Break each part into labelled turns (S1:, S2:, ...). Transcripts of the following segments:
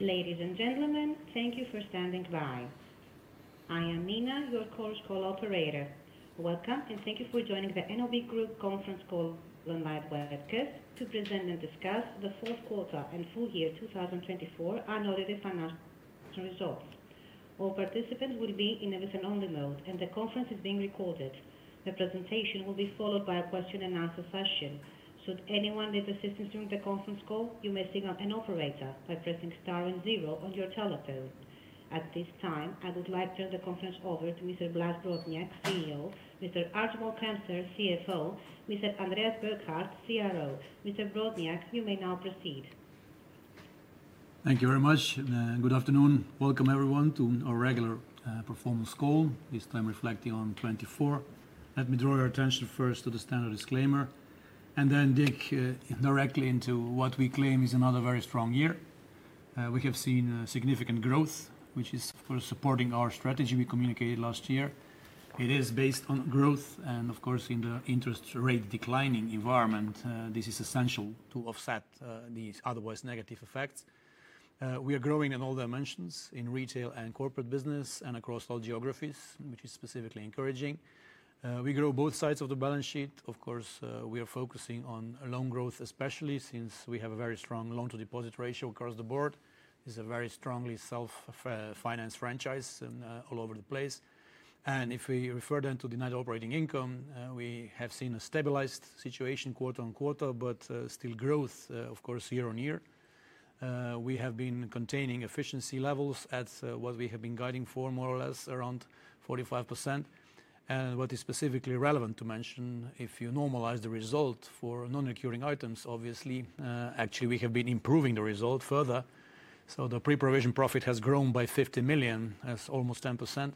S1: Ladies and gentlemen, thank you for standing by. I am Mina, your call operator. Welcome, and thank you for joining the NLB Group conference call to present and discuss the fourth quarter and full year 2024 annual financial results. All participants will be in a listen-only mode, and the conference is being recorded. The presentation will be followed by a question-and-answer session. Should anyone need assistance during the conference call, you may signal an operator by pressing star and zero on your telephone. At this time, I would like to turn the conference over to Mr. Blaž Brodnjak, CEO; Mr. Archibald Kremser, CFO; Mr. Andreas Burkhardt, CRO. Mr. Brodnjak, you may now proceed.
S2: Thank you very much, and good afternoon. Welcome, everyone, to our regular performance call, this time reflecting on 2024. Let me draw your attention first to the standard disclaimer, and then dig directly into what we claim is another very strong year. We have seen significant growth, which is, of course, supporting our strategy we communicated last year. It is based on growth, and of course, in the interest rate declining environment, this is essential to offset these otherwise negative effects. We are growing in all dimensions, in retail and corporate business, and across all geographies, which is specifically encouraging. We grow both sides of the balance sheet. Of course, we are focusing on loan growth, especially since we have a very strong loan-to-deposit ratio across the board. This is a very strongly self-financed franchise all over the place. If we refer then to the net operating income, we have seen a stabilized situation quarter on quarter, but still growth, of course, year on year. We have been containing efficiency levels at what we have been guiding for, more or less around 45%. What is specifically relevant to mention, if you normalize the result for non-recurring items, obviously, actually, we have been improving the result further. The pre-provision profit has grown by 50 million, that's almost 10%,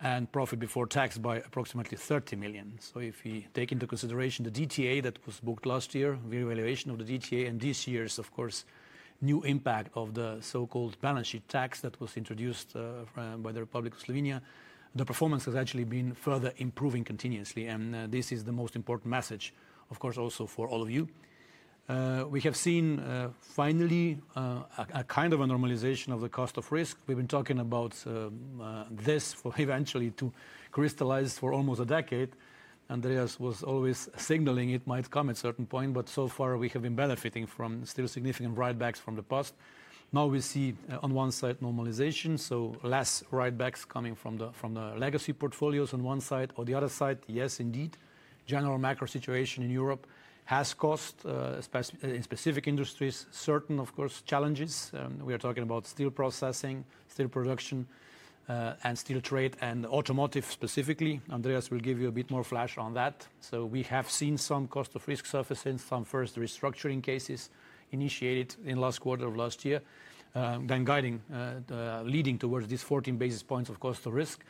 S2: and profit before tax by approximately 30 million. If we take into consideration the DTA that was booked last year, re-evaluation of the DTA, and this year's, of course, new impact of the so-called balance sheet tax that was introduced by the Republic of Slovenia, the performance has actually been further improving continuously. This is the most important message, of course, also for all of you. We have seen, finally, a kind of a normalization of the cost of risk. We've been talking about this for eventually to crystallize for almost a decade. Andreas was always signaling it might come at a certain point, but so far, we have been benefiting from still significant write-backs from the past. Now we see, on one side, normalization, so less write-backs coming from the legacy portfolios on one side. On the other side, yes, indeed, general macro situation in Europe has caused, especially in specific industries, certain, of course, challenges. We are talking about steel processing, steel production, and steel trade, and automotive specifically. Andreas will give you a bit more flesh on that. So we have seen some cost of risk surfacing, some first restructuring cases initiated in the last quarter of last year, then leading towards these 14 basis points of cost of risk.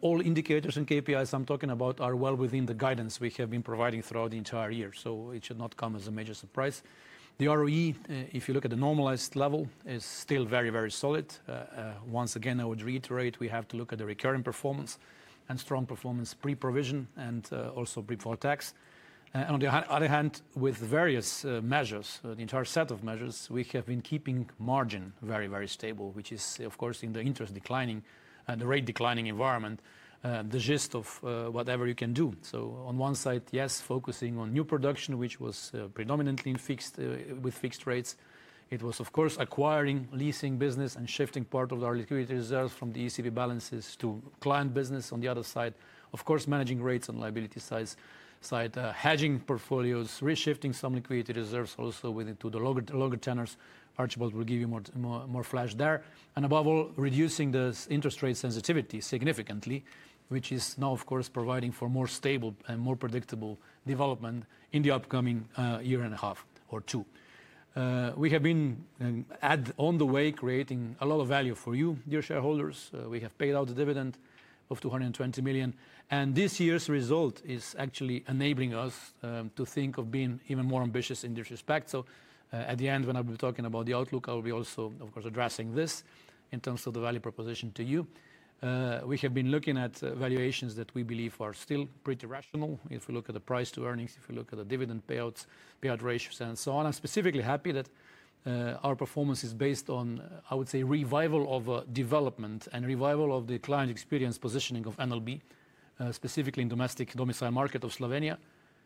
S2: All indicators and KPIs I'm talking about are well within the guidance we have been providing throughout the entire year, so it should not come as a major surprise. The ROE, if you look at the normalized level, is still very, very solid. Once again, I would reiterate, we have to look at the recurring performance and strong performance pre-provision and also before tax. And on the other hand, with various measures, the entire set of measures, we have been keeping margin very, very stable, which is, of course, in the interest declining and the rate declining environment, the gist of whatever you can do. So on one side, yes, focusing on new production, which was predominantly with fixed rates. It was, of course, acquiring, leasing business, and shifting part of our liquidity reserves from the ECB balances to client business. On the other side, of course, managing rates on liability side, hedging portfolios, reshifting some liquidity reserves also to the longer tenors. Archibald will give you more flesh there. And above all, reducing the interest rate sensitivity significantly, which is now, of course, providing for more stable and more predictable development in the upcoming year and a half or two. We have been on the way creating a lot of value for you, dear shareholders. We have paid out the dividend of 220 million, and this year's result is actually enabling us to think of being even more ambitious in this respect. So at the end, when I'll be talking about the outlook, I'll be also, of course, addressing this in terms of the value proposition to you. We have been looking at valuations that we believe are still pretty rational. If we look at the price to earnings, if we look at the dividend payouts, payout ratios, and so on, I'm specifically happy that our performance is based on, I would say, revival of development and revival of the client experience positioning of NLB, specifically in the domestic domicile market of Slovenia.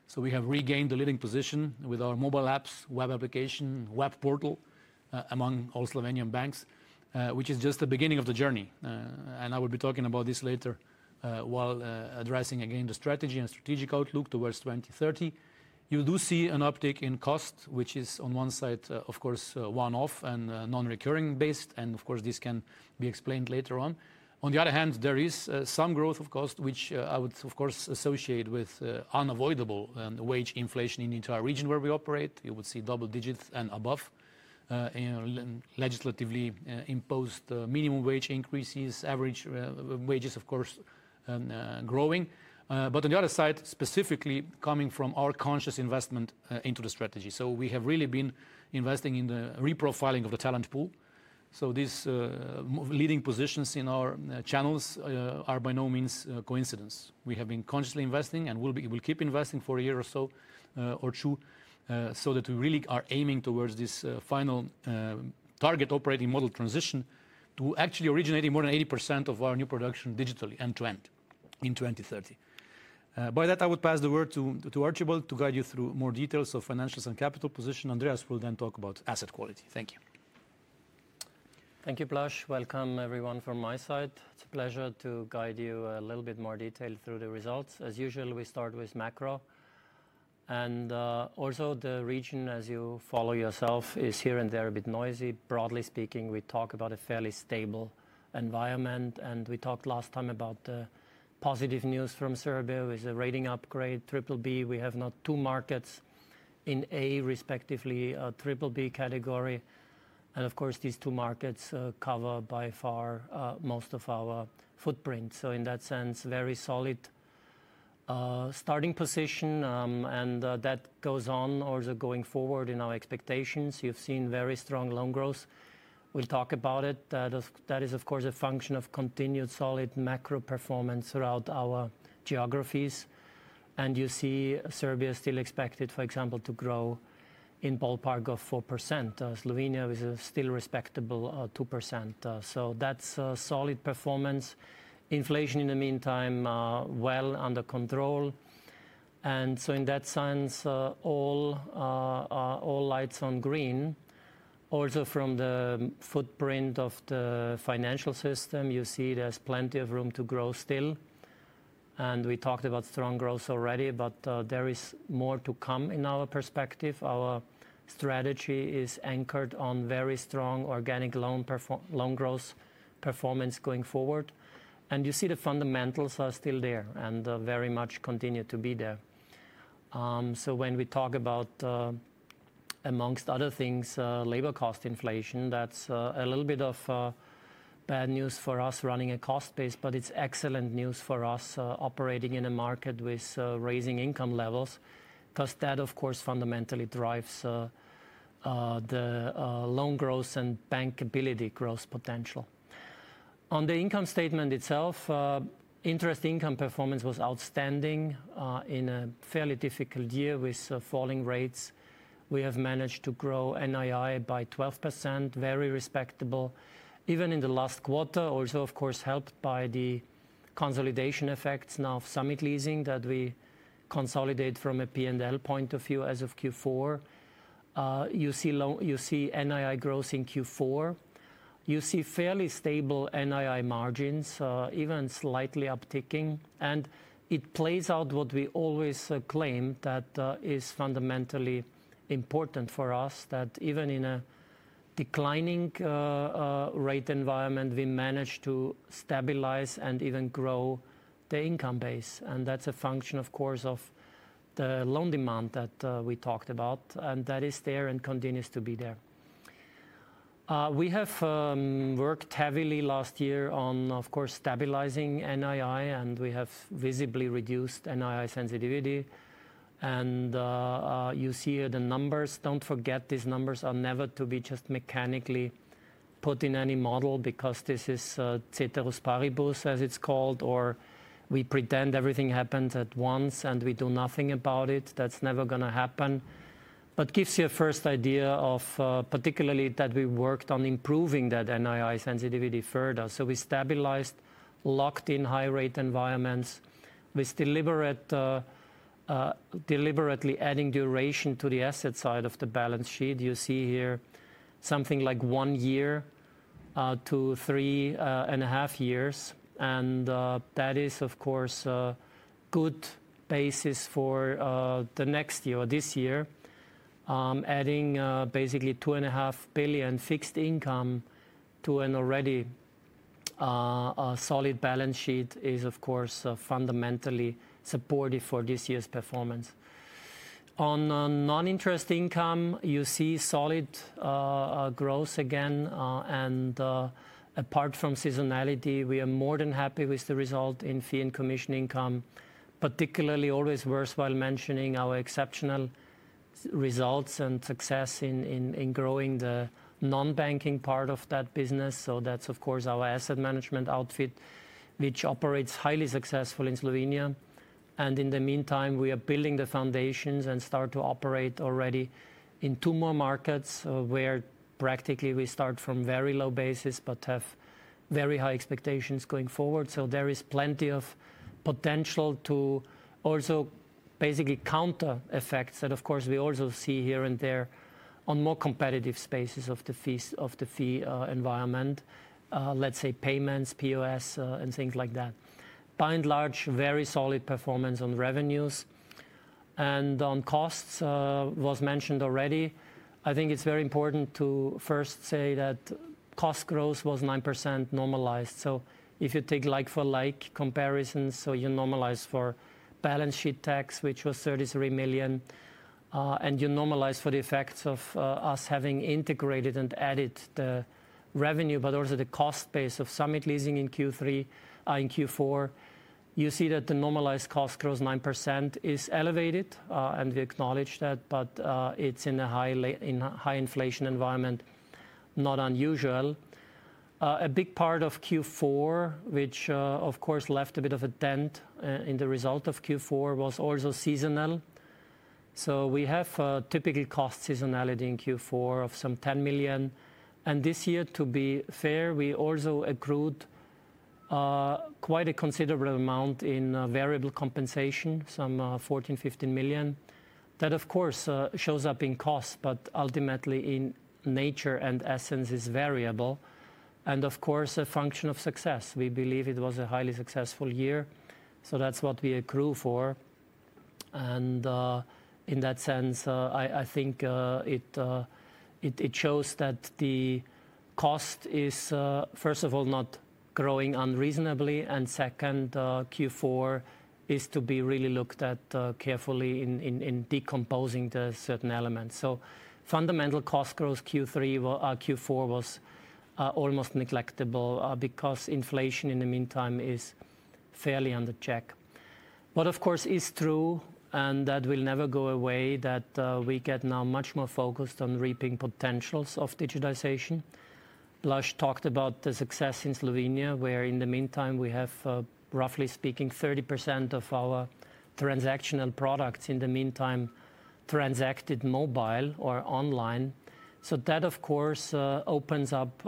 S2: So we have regained the leading position with our mobile apps, web application, web portal among all Slovenian banks, which is just the beginning of the journey. And I will be talking about this later while addressing, again, the strategy and strategic outlook towards 2030. You do see an uptick in cost, which is on one side, of course, one-off and non-recurring based, and of course, this can be explained later on. On the other hand, there is some growth of cost, which I would, of course, associate with unavoidable wage inflation in the entire region where we operate. You would see double digits and above, legislatively imposed minimum wage increases, average wages, of course, growing, but on the other side, specifically coming from our conscious investment into the strategy, so we have really been investing in the reprofiling of the talent pool, so these leading positions in our channels are by no means coincidence. We have been consciously investing and will keep investing for a year or so or two so that we really are aiming towards this final target operating model transition to actually originating more than 80% of our new production digitally end-to-end in 2030. By that, I would pass the word to Archibald to guide you through more details of financials and capital position. Andreas will then talk about asset quality. Thank you.
S3: Thank you, Blaž. Welcome, everyone, from my side. It's a pleasure to guide you a little bit more detailed through the results. As usual, we start with macro. The region, as you follow yourself, is here and there a bit noisy. Broadly speaking, we talk about a fairly stable environment. We talked last time about the positive news from Serbia with the rating upgrade, triple B. We have now two markets in A, respectively, triple B category. Of course, these two markets cover by far most of our footprint. So in that sense, very solid starting position. That goes on also going forward in our expectations. You've seen very strong loan growth. We'll talk about it. That is, of course, a function of continued solid macro performance throughout our geographies. You see Serbia is still expected, for example, to grow in ballpark of 4%. Slovenia is still respectable 2%. So that's solid performance. Inflation in the meantime is well under control. And so in that sense, all lights on green. Also from the footprint of the financial system, you see there's plenty of room to grow still. And we talked about strong growth already, but there is more to come in our perspective. Our strategy is anchored on very strong organic loan growth performance going forward. And you see the fundamentals are still there and very much continue to be there. So when we talk about, among other things, labor cost inflation, that's a little bit of bad news for us running a cost base, but it's excellent news for us operating in a market with rising income levels because that, of course, fundamentally drives the loan growth and bankability growth potential. On the income statement itself, interest income performance was outstanding in a fairly difficult year with falling rates. We have managed to grow NII by 12%, very respectable, even in the last quarter, also, of course, helped by the consolidation effects now of Summit Leasing that we consolidate from a P&L point of view as of Q4. You see NII growth in Q4. You see fairly stable NII margins, even slightly upticking. And it plays out what we always claim that is fundamentally important for us, that even in a declining rate environment, we managed to stabilize and even grow the income base. And that's a function, of course, of the loan demand that we talked about, and that is there and continues to be there. We have worked heavily last year on, of course, stabilizing NII, and we have visibly reduced NII sensitivity. And you see the numbers. Don't forget, these numbers are never to be just mechanically put in any model because this is ceteris paribus, as it's called, or we pretend everything happens at once and we do nothing about it. That's never going to happen, but gives you a first idea of particularly that we worked on improving that NII sensitivity further. So we stabilized, locked in high-rate environments with deliberately adding duration to the asset side of the balance sheet. You see here something like one year to three and a half years. And that is, of course, a good basis for the next year or this year. Adding basically 2.5 billion fixed income to an already solid balance sheet is, of course, fundamentally supportive for this year's performance. On non-interest income, you see solid growth again. Apart from seasonality, we are more than happy with the result in fee and commission income, particularly always worthwhile mentioning our exceptional results and success in growing the non-banking part of that business. That's, of course, our asset management outfit, which operates highly successful in Slovenia. In the meantime, we are building the foundations and start to operate already in two more markets where practically we start from very low basis, but have very high expectations going forward. There is plenty of potential to also basically counter effects that, of course, we also see here and there on more competitive spaces of the fee environment, let's say payments, POS, and things like that. By and large, very solid performance on revenues. On costs, was mentioned already. I think it's very important to first say that cost growth was 9% normalized. If you take like-for-like comparisons, so you normalize for Balance Sheet Tax, which was 33 million, and you normalize for the effects of us having integrated and added the revenue, but also the cost base of Summit Leasing in Q4, you see that the normalized cost growth 9% is elevated, and we acknowledge that, but it's in a high inflation environment, not unusual. A big part of Q4, which, of course, left a bit of a dent in the result of Q4, was also seasonal. We have typically cost seasonality in Q4 of some 10 million. This year, to be fair, we also accrued quite a considerable amount in variable compensation, some 14-15 million. That, of course, shows up in cost, but ultimately in nature and essence is variable, and of course, a function of success. We believe it was a highly successful year. So that's what we accrue for. And in that sense, I think it shows that the cost is, first of all, not growing unreasonably. And second, Q4 is to be really looked at carefully in decomposing certain elements. So fundamental cost growth Q4 was almost negligible because inflation in the meantime is fairly under check. But of course, it's true, and that will never go away, that we get now much more focused on reaping potentials of digitization. Blaž talked about the success in Slovenia, where in the meantime we have, roughly speaking, 30% of our transactional products in the meantime transacted mobile or online. So that, of course, opens up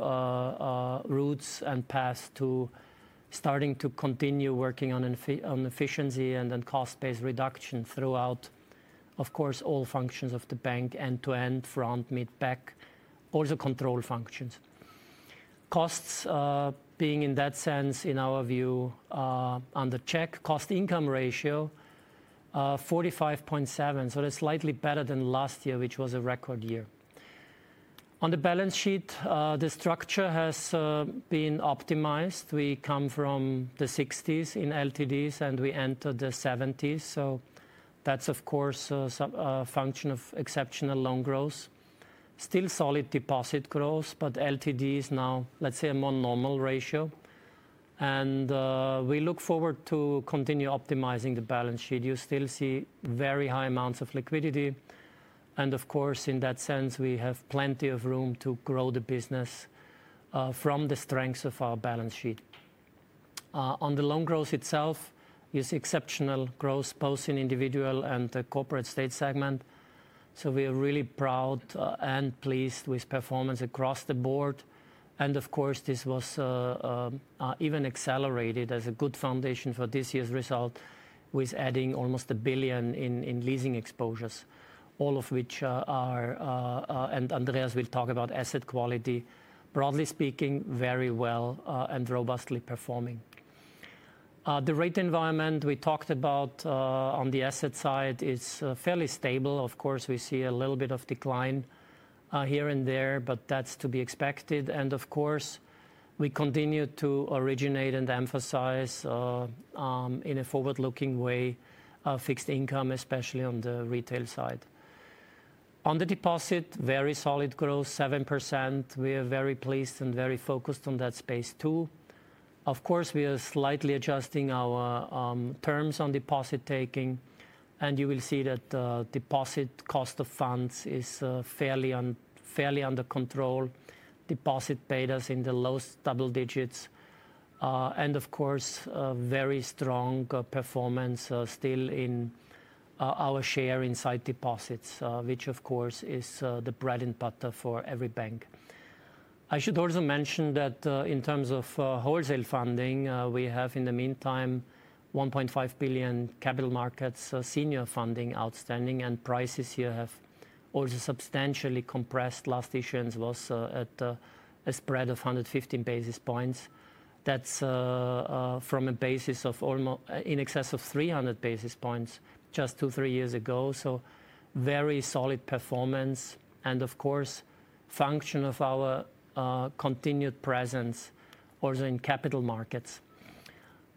S3: routes and paths to starting to continue working on efficiency and then cost-based reduction throughout, of course, all functions of the bank, end to end, front, mid, back, also control functions. Costs being in that sense, in our view, under check. Cost-to-income ratio 45.7%. So that's slightly better than last year, which was a record year. On the balance sheet, the structure has been optimized. We come from the 60s in LTDs, and we entered the 70s. So that's, of course, a function of exceptional loan growth. Still solid deposit growth, but LTDs now, let's say, a more normal ratio. And we look forward to continue optimizing the balance sheet. You still see very high amounts of liquidity. And of course, in that sense, we have plenty of room to grow the business from the strengths of our balance sheet. On the loan growth itself, it's exceptional growth both in individual and the corporate state segment. So we are really proud and pleased with performance across the board. Of course, this was even accelerated as a good foundation for this year's result with adding almost 1 billion in leasing exposures, all of which are, and Andreas will talk about asset quality, broadly speaking, very well and robustly performing. The rate environment we talked about on the asset side is fairly stable. Of course, we see a little bit of decline here and there, but that's to be expected. Of course, we continue to originate and emphasize in a forward-looking way fixed income, especially on the retail side. On the deposit, very solid growth, 7%. We are very pleased and very focused on that space too. Of course, we are slightly adjusting our terms on deposit taking. You will see that deposit cost of funds is fairly under control. Deposit paid us in the lowest double digits. And of course, very strong performance still in our share inside deposits, which of course is the bread and butter for every bank. I should also mention that in terms of wholesale funding, we have in the meantime 1.5 billion capital markets senior funding outstanding. And prices here have also substantially compressed. Last issuance was at a spread of 115 basis points. That's from a basis of in excess of 300 basis points just two, three years ago. So very solid performance. And of course, function of our continued presence also in capital markets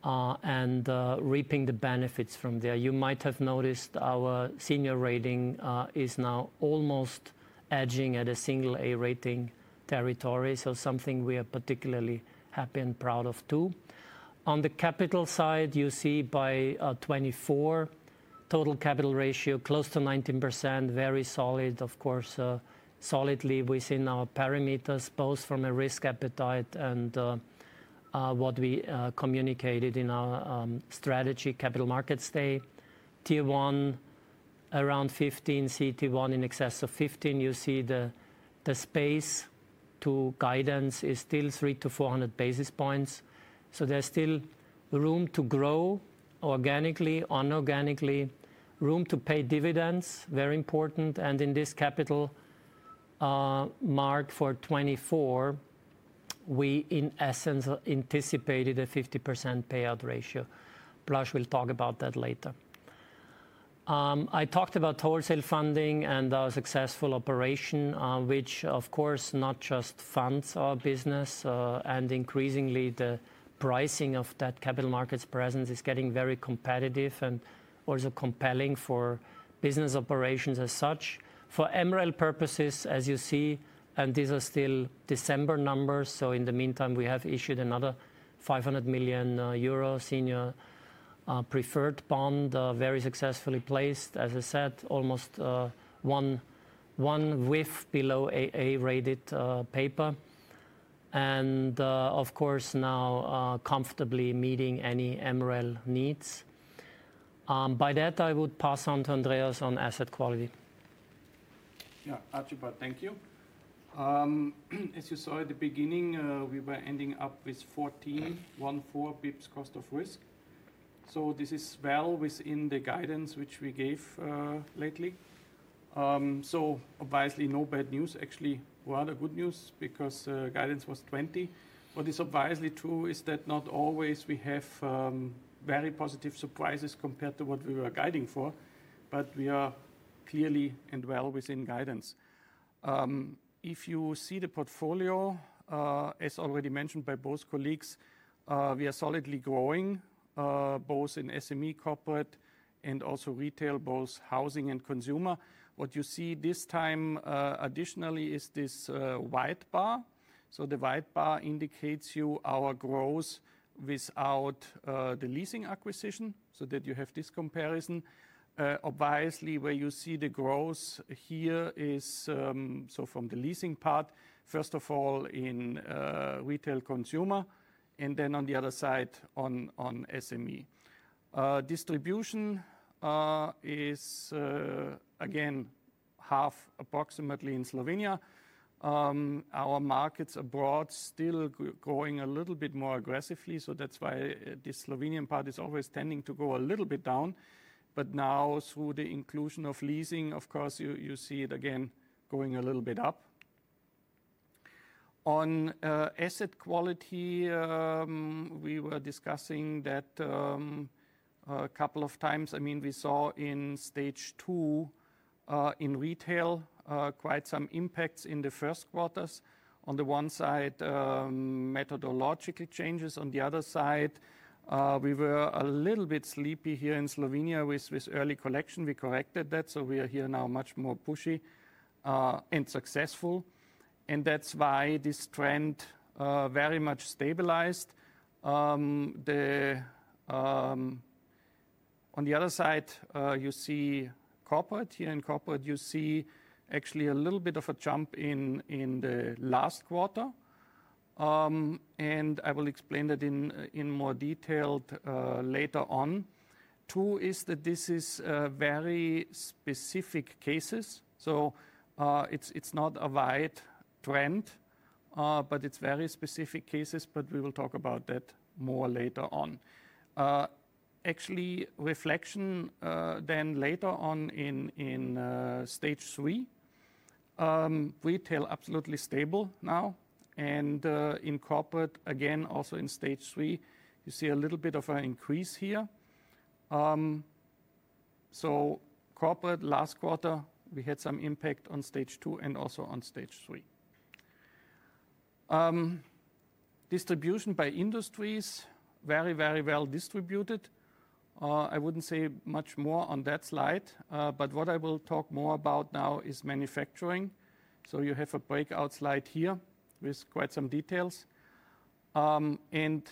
S3: and reaping the benefits from there. You might have noticed our senior rating is now almost edging at a single A rating territory. So something we are particularly happy and proud of too. On the capital side, you see by 2024 total capital ratio close to 19%, very solid, of course, solidly within our parameters, both from a risk appetite and what we communicated in our strategy. Capital markets strategy. Tier 1 around 15%, CET1 in excess of 15%. You see the space to guidance is still 300 to 400 basis points. So there's still room to grow organically, inorganically, room to pay dividends, very important. In this capital plan for 2024, we in essence anticipated a 50% payout ratio. Blaž will talk about that later. I talked about wholesale funding and our successful operation, which of course not just funds our business. Increasingly, the pricing of that capital markets presence is getting very competitive and also compelling for business operations as such. For MREL purposes, as you see, and these are still December numbers. So, in the meantime, we have issued another 500 million euro senior preferred bond, very successfully placed, as I said, almost one WIF below A rated paper. And, of course, now comfortably meeting any MREL needs. By that, I would pass on to Andreas on asset quality.
S4: Yeah, Archibald, thank you. As you saw at the beginning, we were ending up with 14.14 basis points cost of risk. So, this is well within the guidance which we gave lately. So obviously, no bad news, actually rather good news because guidance was 20. What is obviously too is that not always we have very positive surprises compared to what we were guiding for, but we are clearly and well within guidance. If you see the portfolio, as already mentioned by both colleagues, we are solidly growing both in SME corporate and also retail, both housing and consumer. What you see this time additionally is this white bar. So the white bar indicates to you our growth without the leasing acquisition so that you have this comparison. Advisory, where you see the growth here is so from the leasing part, first of all in retail consumer, and then on the other side on SME. Distribution is again half approximately in Slovenia. Our markets abroad still growing a little bit more aggressively. So that's why the Slovenian part is always tending to go a little bit down. But now through the inclusion of leasing, of course, you see it again going a little bit up. On asset quality, we were discussing that a couple of times. I mean, we saw in stage two in retail quite some impacts in the Q1. On the one side, methodological changes. On the other side, we were a little bit sleepy here in Slovenia with early collection. We corrected that. So we are here now much more pushy and successful. And that's why this trend very much stabilized. On the other side, you see corporate here in corporate. You see actually a little bit of a jump in the last quarter. And I will explain that in more detail later on. Two is that this is very specific cases. So it's not a wide trend, but it's very specific cases, but we will talk about that more later on. Actually, reflection then later on in stage three, retail absolutely stable now. And in corporate, again, also in stage three, you see a little bit of an increase here. So corporate last quarter, we had some impact on stage two and also on stage three. Distribution by industries, very, very well distributed. I wouldn't say much more on that slide, but what I will talk more about now is manufacturing. So you have a breakout slide here with quite some details. And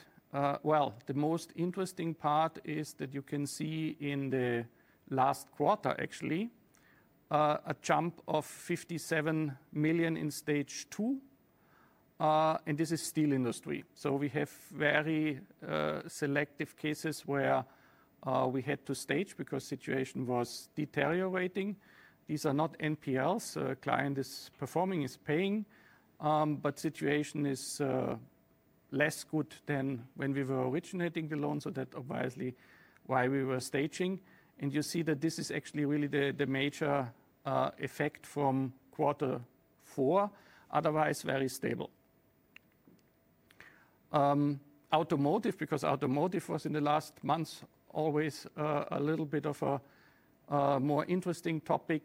S4: well, the most interesting part is that you can see in the last quarter, actually, a jump of 57 million in stage two. And this is steel industry. So we have very selective cases where we had to stage because the situation was deteriorating. These are not NPLs. Client is performing, is paying, but the situation is less good than when we were originating the loan. So that advisory why we were staging. And you see that this is actually really the major effect from Q4. Otherwise, very stable. Automotive, because automotive was in the last months always a little bit of a more interesting topic.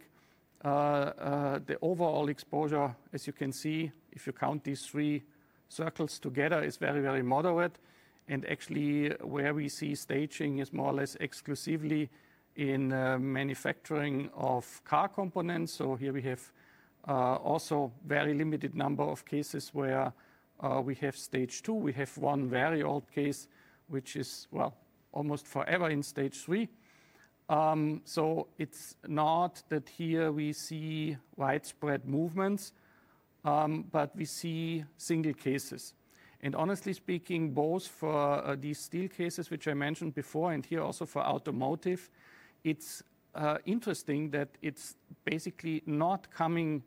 S4: The overall exposure, as you can see, if you count these three circles together, is very, very moderate. And actually, where we see staging is more or less exclusively in manufacturing of car components. So here we have also a very limited number of cases where we have stage two. We have one very old case, which is, well, almost forever in stage three. So it's not that here we see widespread movements, but we see single cases. And honestly speaking, both for these steel cases, which I mentioned before, and here also for automotive, it's interesting that it's basically not coming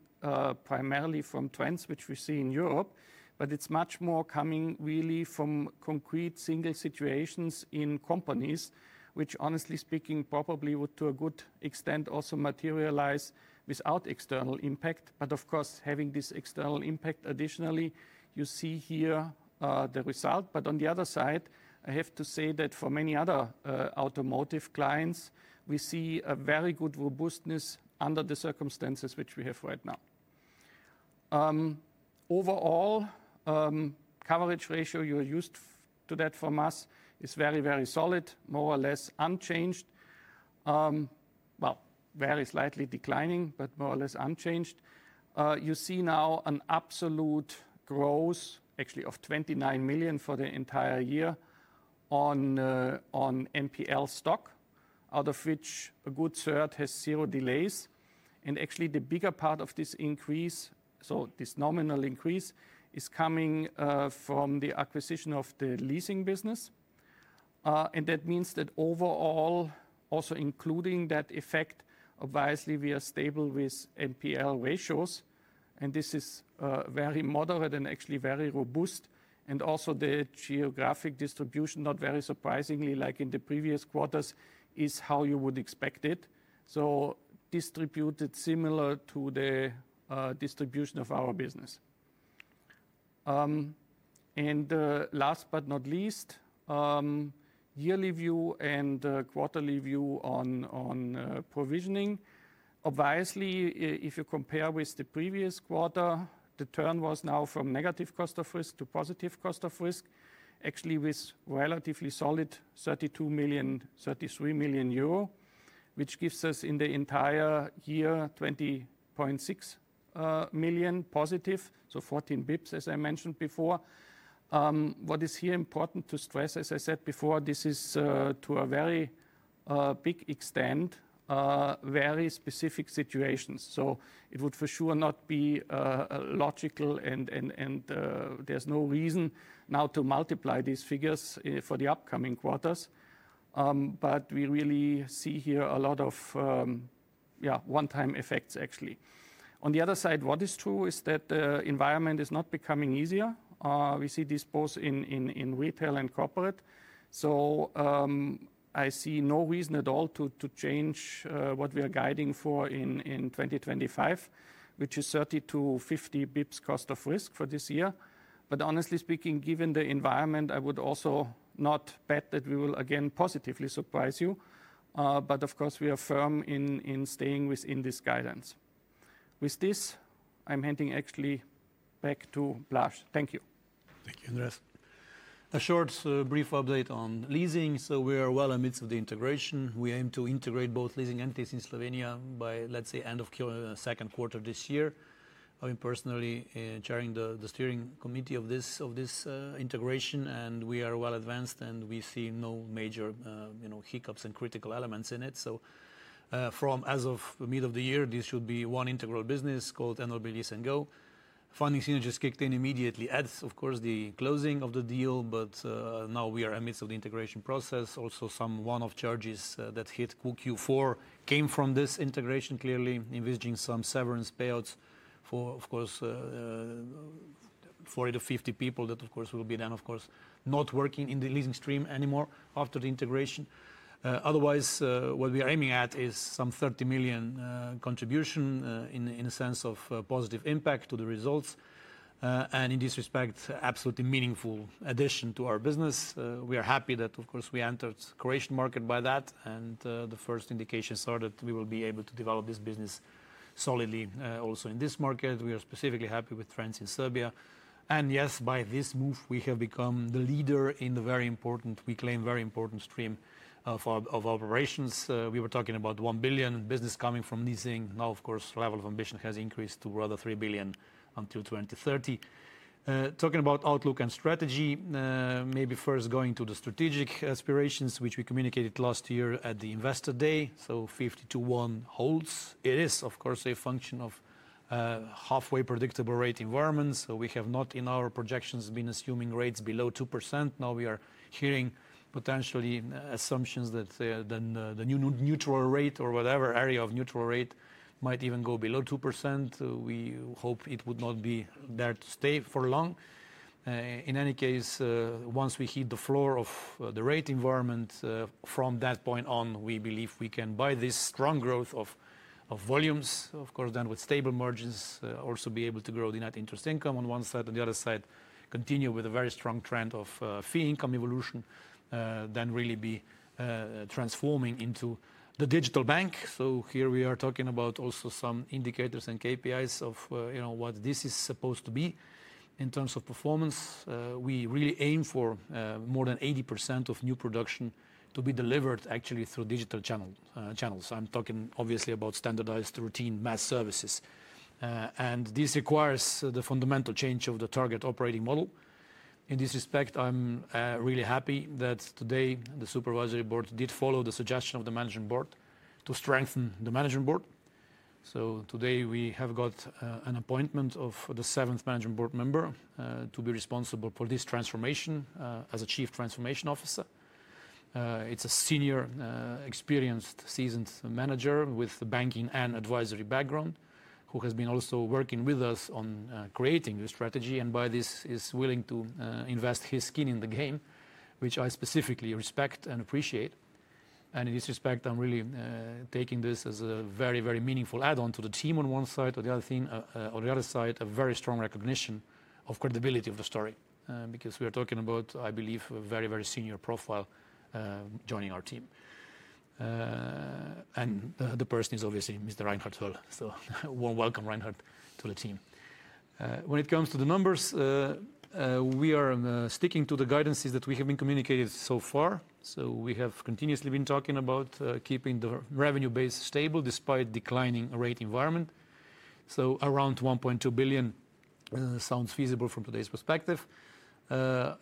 S4: primarily from trends, which we see in Europe, but it's much more coming really from concrete single situations in companies, which honestly speaking, probably would to a good extent also materialize without external impact. But of course, having this external impact additionally, you see here the result. On the other side, I have to say that for many other automotive clients, we see a very good robustness under the circumstances which we have right now. Overall, coverage ratio you are used to that from us is very, very solid, more or less unchanged. Well, very slightly declining, but more or less unchanged. You see now an absolute growth, actually of 29 million for the entire year on NPL stock, out of which a good third has zero delays. And actually, the bigger part of this increase, so this nominal increase, is coming from the acquisition of the leasing business. And that means that overall, also including that effect, adversely, we are stable with NPL ratios. And this is very moderate and actually very robust. And also the geographic distribution, not very surprisingly, like in the previous quarters, is how you would expect it. So distributed similar to the distribution of our business. And last but not least, yearly view and quarterly view on provisioning. Moreover, if you compare with the previous quarter, the turn was now from negative cost of risk to positive cost of risk, actually with relatively solid 32 million to 33 million, which gives us in the entire year 20.6 million positive, so 14 basis points, as I mentioned before. What is here important to stress, as I said before, this is to a very big extent, very specific situations. So it would for sure not be logical, and there's no reason now to multiply these figures for the upcoming quarters. But we really see here a lot of, yeah, one-time effects, actually. On the other side, what is true is that the environment is not becoming easier. We see this both in retail and corporate. So I see no reason at all to change what we are guiding for in 2025, which is 30 to 50 basis points cost of risk for this year. But honestly speaking, given the environment, I would also not bet that we will again positively surprise you. But of course, we are firm in staying within this guidance. With this, I'm handing actually back to Blaž. Thank you.
S2: Thank you, Andreas. A short brief update on leasing. So we are well amidst the integration. We aim to integrate both leasing entities in Slovenia by, let's say, end of Q2 this year. I'm personally chairing the steering committee of this integration, and we are well advanced, and we see no major hiccups and critical elements in it. So from as of the middle of the year, this should be one integral business called NLB Lease&Go. Funding signatures kicked in immediately at, of course, the closing of the deal, but now we are amidst the integration process. Also, some one-off charges that hit Q4 came from this integration, clearly envisaging some severance payouts for, of course, 40 to 50 people that, of course, will be then, of course, not working in the leasing stream anymore after the integration. Otherwise, what we are aiming at is some 30 million contribution in a sense of positive impact to the results, and in this respect, absolutely meaningful addition to our business. We are happy that, of course, we entered the Croatian market by that, and the first indications are that we will be able to develop this business solidly also in this market. We are specifically happy with presence in Serbia. Yes, by this move, we have become the leader in the very important, we claim very important stream of operations. We were talking about 1 billion business coming from leasing. Now, of course, level of ambition has increased to rather 3 billion until 2030. Talking about outlook and strategy, maybe first going to the strategic aspirations, which we communicated last year at the investor day. 50:1 holds. It is, of course, a function of halfway predictable rate environments. We have not in our projections been assuming rates below 2%. Now we are hearing potentially assumptions that the new neutral rate or whatever area of neutral rate might even go below 2%. We hope it would not be there to stay for long. In any case, once we hit the floor of the rate environment, from that point on, we believe we can buy this strong growth of volumes, of course, then with stable margins, also be able to grow the net interest income on one side. On the other side, continue with a very strong trend of fee income evolution, then really be transforming into the digital bank, so here we are talking about also some indicators and KPIs of what this is supposed to be in terms of performance. We really aim for more than 80% of new production to be delivered actually through digital channels. I'm talking obviously about standardized routine mass services, and this requires the fundamental change of the target operating model. In this respect, I'm really happy that today the supervisory board did follow the suggestion of the management board to strengthen the management board. Today we have got an appointment of the seventh management board member to be responsible for this transformation as a Chief Transformation Officer. It's a senior, experienced, seasoned manager with the banking and advisory background who has been also working with us on creating this strategy and by this is willing to invest his skin in the game, which I specifically respect and appreciate. In this respect, I'm really taking this as a very, very meaningful add-on to the team on one side. On the other side, a very strong recognition of credibility of the story because we are talking about, I believe, a very, very senior profile joining our team. The person is obviously Mr. Reinhard Höll. Warm welcome, Reinhard, to the team. When it comes to the numbers, we are sticking to the guidances that we have been communicated so far. We have continuously been talking about keeping the revenue base stable despite declining rate environment. Around 1.2 billion sounds feasible from today's perspective.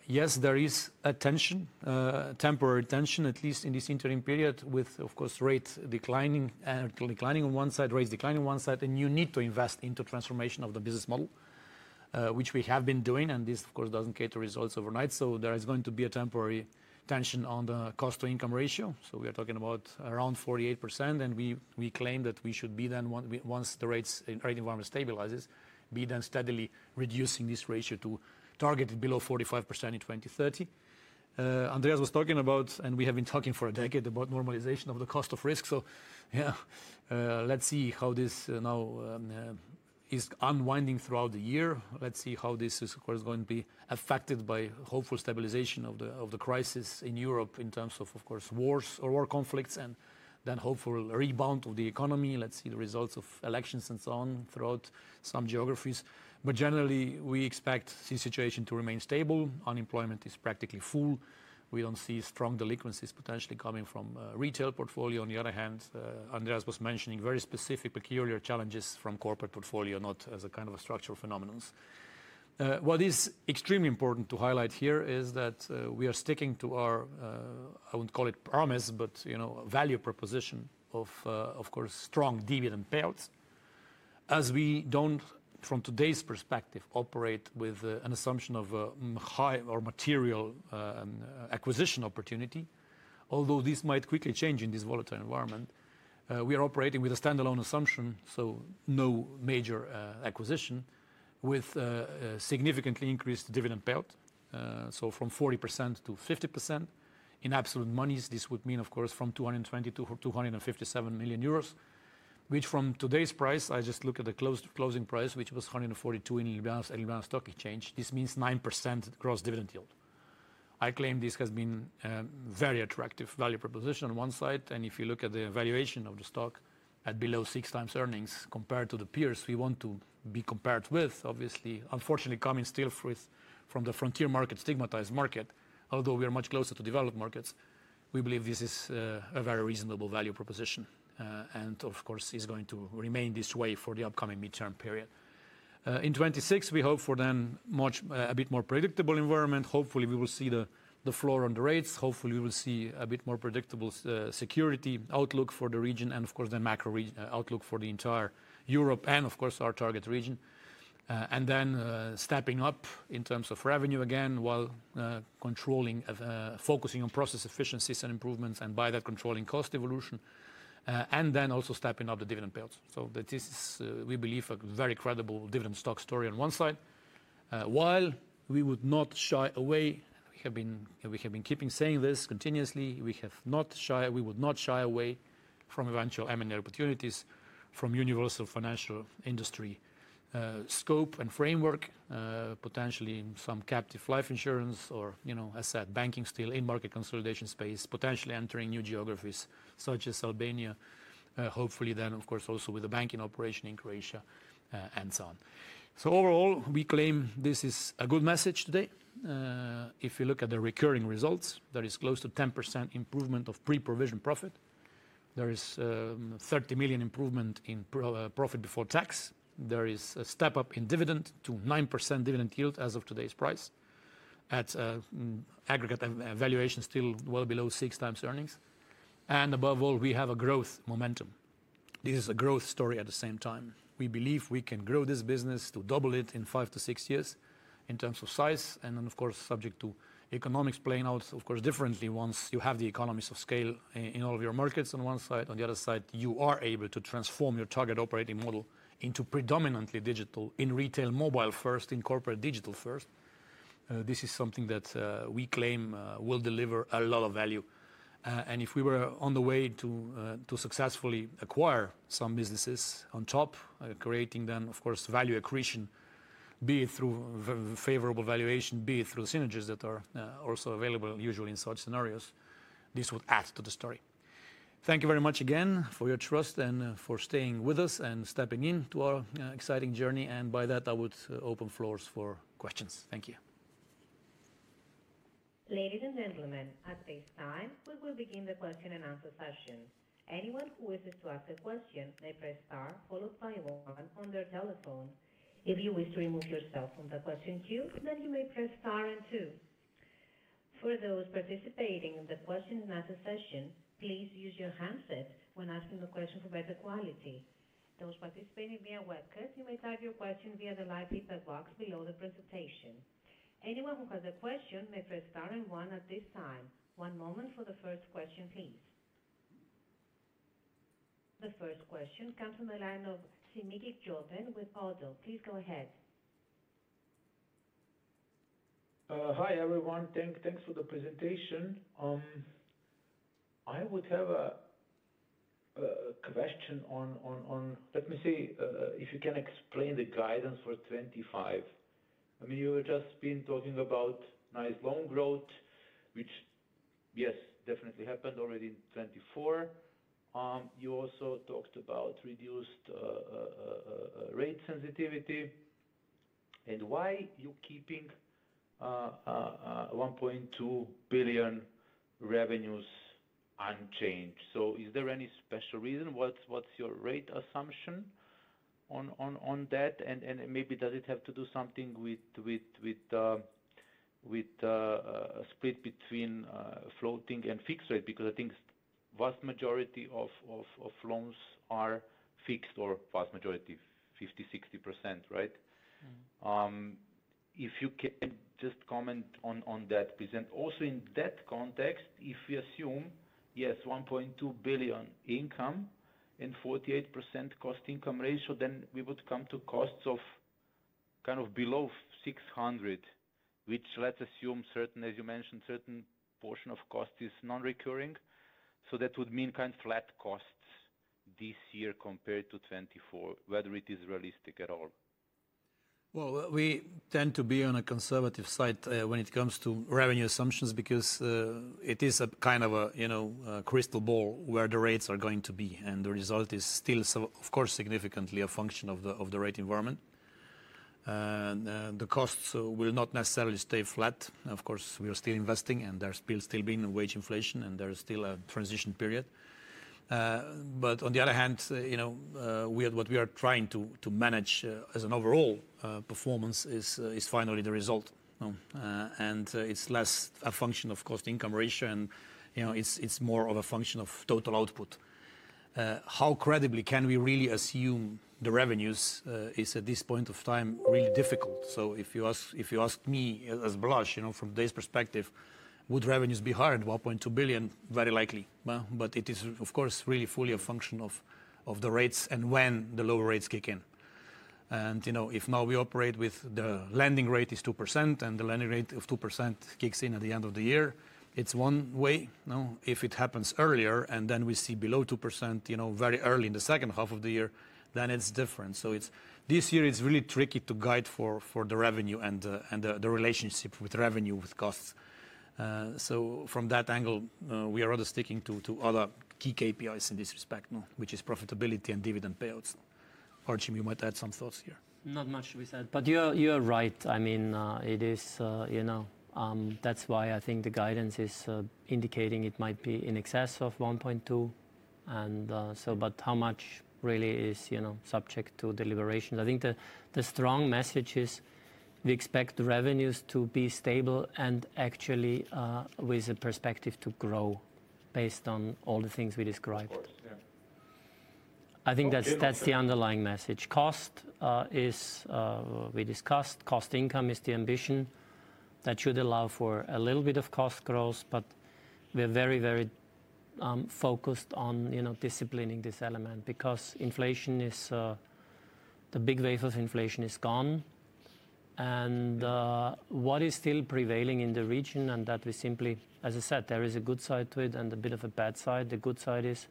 S2: Yes, there is a temporary tension, at least in this interim period with, of course, rates declining on one side, and you need to invest into transformation of the business model, which we have been doing. And this, of course, doesn't create results overnight. There is going to be a temporary tension on the cost to income ratio. We are talking about around 48%. And we claim that we should be then, once the rate environment stabilizes, steadily reducing this ratio to target below 45% in 2030. Andreas was talking about, and we have been talking for a decade about normalization of the cost of risk. So yeah, let's see how this now is unwinding throughout the year. Let's see how this is, of course, going to be affected by hopeful stabilization of the crisis in Europe in terms of, of course, wars or war conflicts and then hopeful rebound of the economy. Let's see the results of elections and so on throughout some geographies. But generally, we expect this situation to remain stable. Unemployment is practically full. We don't see strong delinquencies potentially coming from retail portfolio. On the other hand, Andreas was mentioning very specific peculiar challenges from corporate portfolio, not as a kind of a structural phenomenon. What is extremely important to highlight here is that we are sticking to our, I wouldn't call it promise, but value proposition of, of course, strong dividend payouts. As we don't, from today's perspective, operate with an assumption of a high or material acquisition opportunity, although this might quickly change in this volatile environment. We are operating with a standalone assumption, so no major acquisition with significantly increased dividend payout. So from 40%-50% in absolute monies, this would mean, of course, from 220 million to 257 million euros, which from today's price, I just look at the closing price, which was 142 on the stock exchange, this means 9% gross dividend yield. I claim this has been a very attractive value proposition on one side. And if you look at the valuation of the stock at below six times earnings compared to the peers we want to be compared with, obviously, unfortunately coming still from the frontier market, stigmatized market, although we are much closer to developed markets, we believe this is a very reasonable value proposition and, of course, is going to remain this way for the upcoming midterm period. In 2026, we hope for then a bit more predictable environment. Hopefully, we will see the floor on the rates. Hopefully, we will see a bit more predictable security outlook for the region and, of course, the macro outlook for the entire Europe and, of course, our target region. And then stepping up in terms of revenue again while controlling, focusing on process efficiencies and improvements and by that controlling cost evolution and then also stepping up the dividend payouts. So this is, we believe, a very credible dividend stock story on one side. While we would not shy away, we have been keeping saying this continuously. We would not shy away from eventual M&A opportunities from universal financial industry scope and framework, potentially some captive life insurance or, as I said, banking still in market consolidation space, potentially entering new geographies such as Albania. Hopefully then, of course, also with the banking operation in Croatia and so on. So overall, we claim this is a good message today. If you look at the recurring results, there is close to 10% improvement of pre-provision profit. There is a 30 million improvement in profit before tax. There is a step up in dividend to 9% dividend yield as of today's price at aggregate valuation still well below six times earnings. And above all, we have a growth momentum. This is a growth story at the same time. We believe we can grow this business to double it in five to six years in terms of size and then, of course, subject to economics playing out, of course, differently once you have the economies of scale in all of your markets on one side. On the other side, you are able to transform your target operating model into predominantly digital in retail mobile first, in corporate digital first. This is something that we claim will deliver a lot of value. And if we were on the way to successfully acquire some businesses on top, creating then, of course, value accretion, be it through favorable valuation, be it through synergies that are also available usually in such scenarios, this would add to the story. Thank you very much again for your trust and for staying with us and stepping into our exciting journey. And by that, I would open floors for questions. Thank you.
S1: Ladies and gentlemen, at this time, we will begin the question and answer session. Anyone who wishes to ask a question may press star followed by one on their telephone. If you wish to remove yourself from the question queue, then you may press star and two. For those participating in the question and answer session, please use your handset when asking the question for better quality. Those participating via webcam, you may type your question via the live feedback box below the presentation. Anyone who has a question may press star and one at this time. One moment for the first question, please. The first question comes from the line of Simićkić Jovan with Odell. Please go ahead.
S5: Hi everyone. Thanks for the presentation. I would have a question on, let me see if you can explain the guidance for 2025. I mean, you have just been talking about nice loan growth, which yes, definitely happened already in 2024. You also talked about reduced rate sensitivity and why you're keeping 1.2 billion revenues unchanged. So is there any special reason? What's your rate assumption on that? And maybe does it have to do something with a split between floating and fixed rate? Because I think the vast majority of loans are fixed or vast majority 50% to 60%, right? If you can just comment on that, please. And also in that context, if we assume, yes, 1.2 billion income and 48% cost income ratio, then we would come to costs of kind of below 600 million, which let's assume certain, as you mentioned, certain portion of cost is non-recurring. That would mean kind of flat costs this year compared to 2024, whether it is realistic at all.
S2: Well, we tend to be on a conservative side when it comes to revenue assumptions because it is a kind of a crystal ball where the rates are going to be. And the result is still, of course, significantly a function of the rate environment. The costs will not necessarily stay flat. Of course, we are still investing and there's still been wage inflation and there's still a transition period. But on the other hand, what we are trying to manage as an overall performance is finally the result. And it's less a function of cost income ratio and it's more of a function of total output. How credibly can we really assume the revenues is at this point of time really difficult? If you ask me as Blaž from today's perspective, would revenues be higher than 1.2 billion? Very likely. But it is, of course, really fully a function of the rates and when the lower rates kick in. And if now we operate with the lending rate is 2% and the lending rate of 2% kicks in at the end of the year, it's one way. If it happens earlier and then we see below 2% very early in the second half of the year, then it's different. So this year it's really tricky to guide for the revenue and the relationship with revenue with costs. So from that angle, we are rather sticking to other key KPIs in this respect, which is profitability and dividend payouts. Archibald, you might add some thoughts here.
S3: Not much to be said, but you are right. I mean, it is. That's why I think the guidance is indicating it might be in excess of 1.2 and so but how much really is subject to deliberations. I think the strong message is we expect revenues to be stable and actually with a perspective to grow based on all the things we described. I think that's the underlying message. Cost is, we discussed, cost income is the ambition that should allow for a little bit of cost growth, but we are very, very focused on disciplining this element because inflation is the big wave of inflation is gone and what is still prevailing in the region and that we simply, as I said, there is a good side to it and a bit of a bad side. The good side is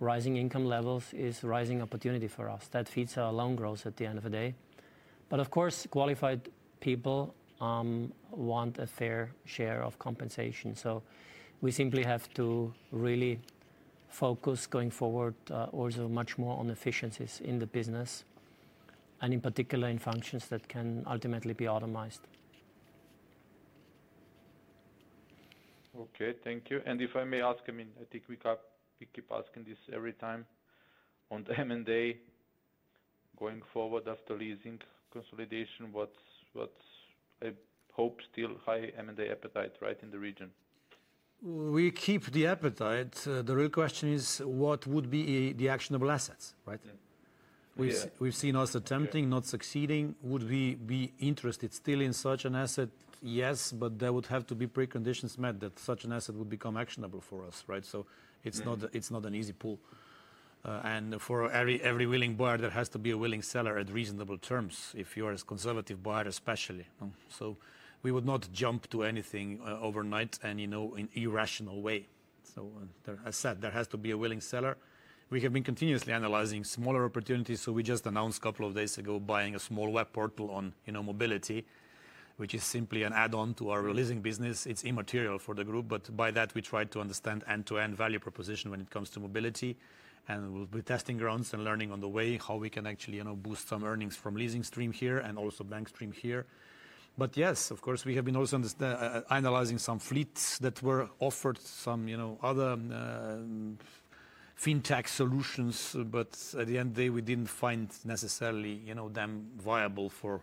S3: rising income levels is rising opportunity for us. That feeds our long growth at the end of the day. But of course, qualified people want a fair share of compensation. So we simply have to really focus going forward also much more on efficiencies in the business and in particular in functions that can ultimately be optimized.
S5: Okay, thank you. And if I may ask, I mean, I think we keep asking this every time on M&A going forward after leasing consolidation. What's, I hope, still high M&A appetite, right, in the region?
S2: We keep the appetite. The real question is what would be the actionable assets, right? We've seen us attempting, not succeeding. Would we be interested still in such an asset? Yes, but there would have to be preconditions met that such an asset would become actionable for us, right? So it's not an easy pull. And for every willing buyer, there has to be a willing seller at reasonable terms if you are a conservative buyer, especially. So we would not jump to anything overnight and in an irrational way. So as I said, there has to be a willing seller. We have been continuously analyzing smaller opportunities. So we just announced a couple of days ago buying a small web portal on mobility, which is simply an add-on to our leasing business. It's immaterial for the group, but by that, we tried to understand end-to-end value proposition when it comes to mobility. And we'll be testing grounds and learning on the way how we can actually boost some earnings from leasing stream here and also bank stream here. But yes, of course, we have been also analyzing some fleets that were offered some other fintech solutions, but at the end of the day, we didn't find necessarily them viable for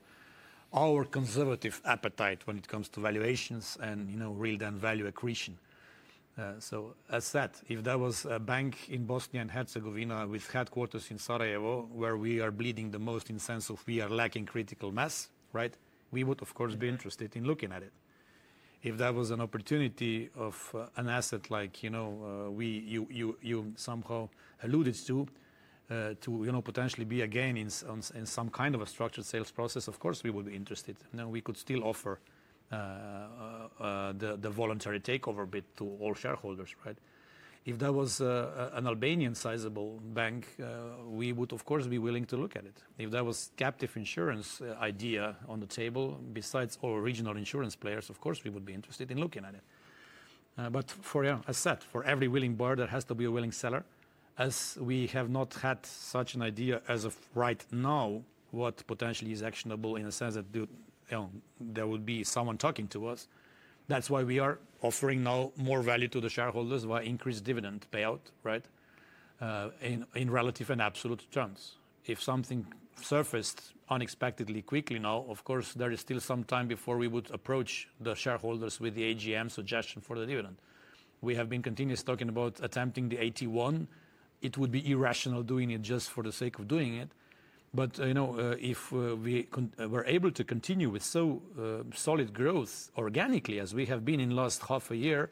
S2: our conservative appetite when it comes to valuations and real then value accretion. So as said, if there was a bank in Bosnia and Herzegovina with headquarters in Sarajevo where we are bleeding the most in sense of we are lacking critical mass, right? We would, of course, be interested in looking at it. If there was an opportunity of an asset like you somehow alluded to, to potentially be a gain in some kind of a structured sales process, of course, we would be interested. And then we could still offer the voluntary takeover bit to all shareholders, right? If there was an Albanian sizable bank, we would, of course, be willing to look at it. If there was captive insurance idea on the table besides our regional insurance players, of course, we would be interested in looking at it. But for, as I said, for every willing buyer, there has to be a willing seller, as we have not had such an idea as of right now what potentially is actionable in a sense that there would be someone talking to us. That's why we are offering now more value to the shareholders by increased dividend payout, right? In relative and absolute terms. If something surfaced unexpectedly quickly now, of course, there is still some time before we would approach the shareholders with the AGM suggestion for the dividend. We have been continuously talking about attempting the AT1. It would be irrational doing it just for the sake of doing it. But if we were able to continue with so solid growth organically as we have been in the last half a year,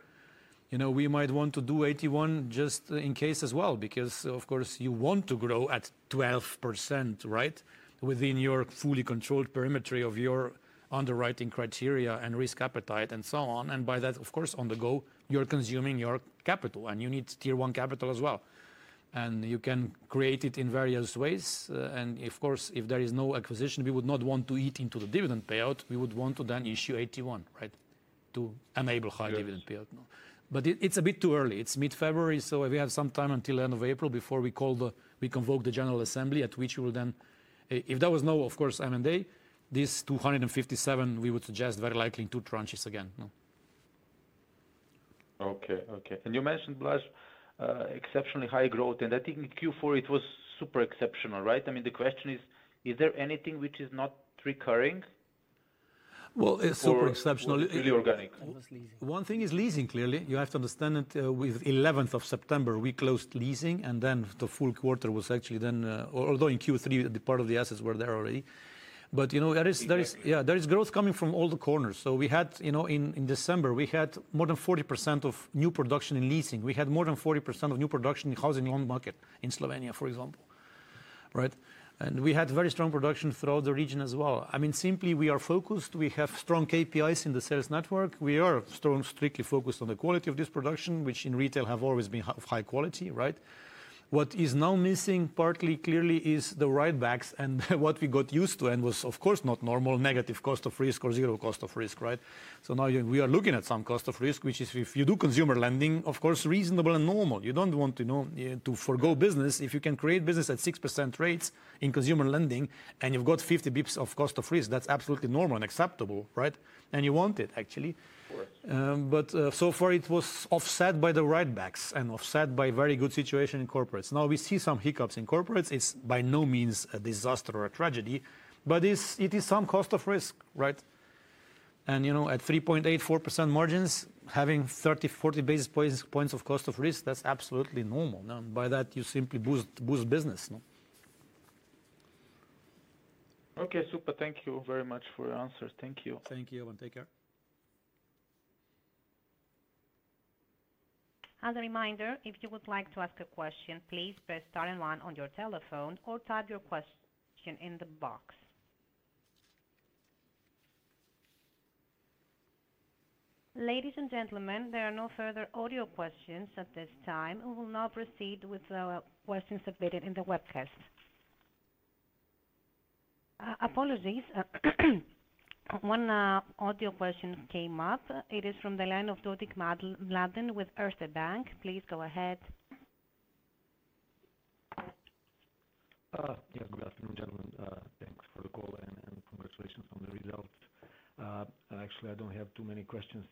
S2: we might want to do AT1 just in case as well because, of course, you want to grow at 12%, right? Within your fully controlled perimeter of your underwriting criteria and risk appetite and so on. And by that, of course, on the go, you're consuming your capital and you need Tier 1 capital as well. And you can create it in various ways. And of course, if there is no acquisition, we would not want to eat into the dividend payout. We would want to then issue AT1, right? To enable high dividend payout. But it's a bit too early. It's mid-February.
S3: So we have some time until the end of April before we call the, we convoke the general assembly at which we will then, if there was no, of course, M&A, this 257, we would suggest very likely in two tranches again.
S5: Okay, okay. And you mentioned Blaž's exceptionally high growth and I think in Q4 it was super exceptional, right? I mean, the question is, is there anything which is not recurring?
S2: Well, it's super exceptional.
S5: Really organic.
S2: One thing is leasing, clearly. You have to understand that with 11th of September, we closed leasing and then the full quarter was actually then, although in Q3, part of the assets were there already. But there is, yeah, there is growth coming from all the corners. So we had in December, we had more than 40% of new production in leasing. We had more than 40% of new production in housing loan market in Slovenia, for example, right? And we had very strong production throughout the region as well. I mean, simply we are focused. We have strong KPIs in the sales network. We are strong, strictly focused on the quality of this production, which in retail have always been of high quality, right? What is now missing partly, clearly, is the right backs and what we got used to and was, of course, not normal negative cost of risk or zero cost of risk, right? So now we are looking at some cost of risk, which is if you do consumer lending, of course, reasonable and normal. You don't want to forgo business if you can create business at 6% rates in consumer lending and you've got 50 basis points of cost of risk. That's absolutely normal and acceptable, right? You want it actually. But so far it was offset by the retail banks and offset by very good situation in corporates. Now we see some hiccups in corporates. It's by no means a disaster or a tragedy, but it is some cost of risk, right? And at 3.84% margins, having 30 to 40 basis points of cost of risk, that's absolutely normal. And by that, you simply boost business.
S5: Okay, super. Thank you very much for your answers. Thank you.
S2: Thank you. Take care.
S1: As a reminder, if you would like to ask a question, please press star and one on your telephone or type your question in the box. Ladies and gentlemen, there are no further audio questions at this time. We will now proceed with the questions submitted in the webcast. Apologies, one audio question came up.It is from the line of Mladen Dodig with Erste Bank. Please go ahead.
S6: Yeah, good afternoon, gentlemen. Thanks for the call and congratulations on the results. Actually, I don't have too many questions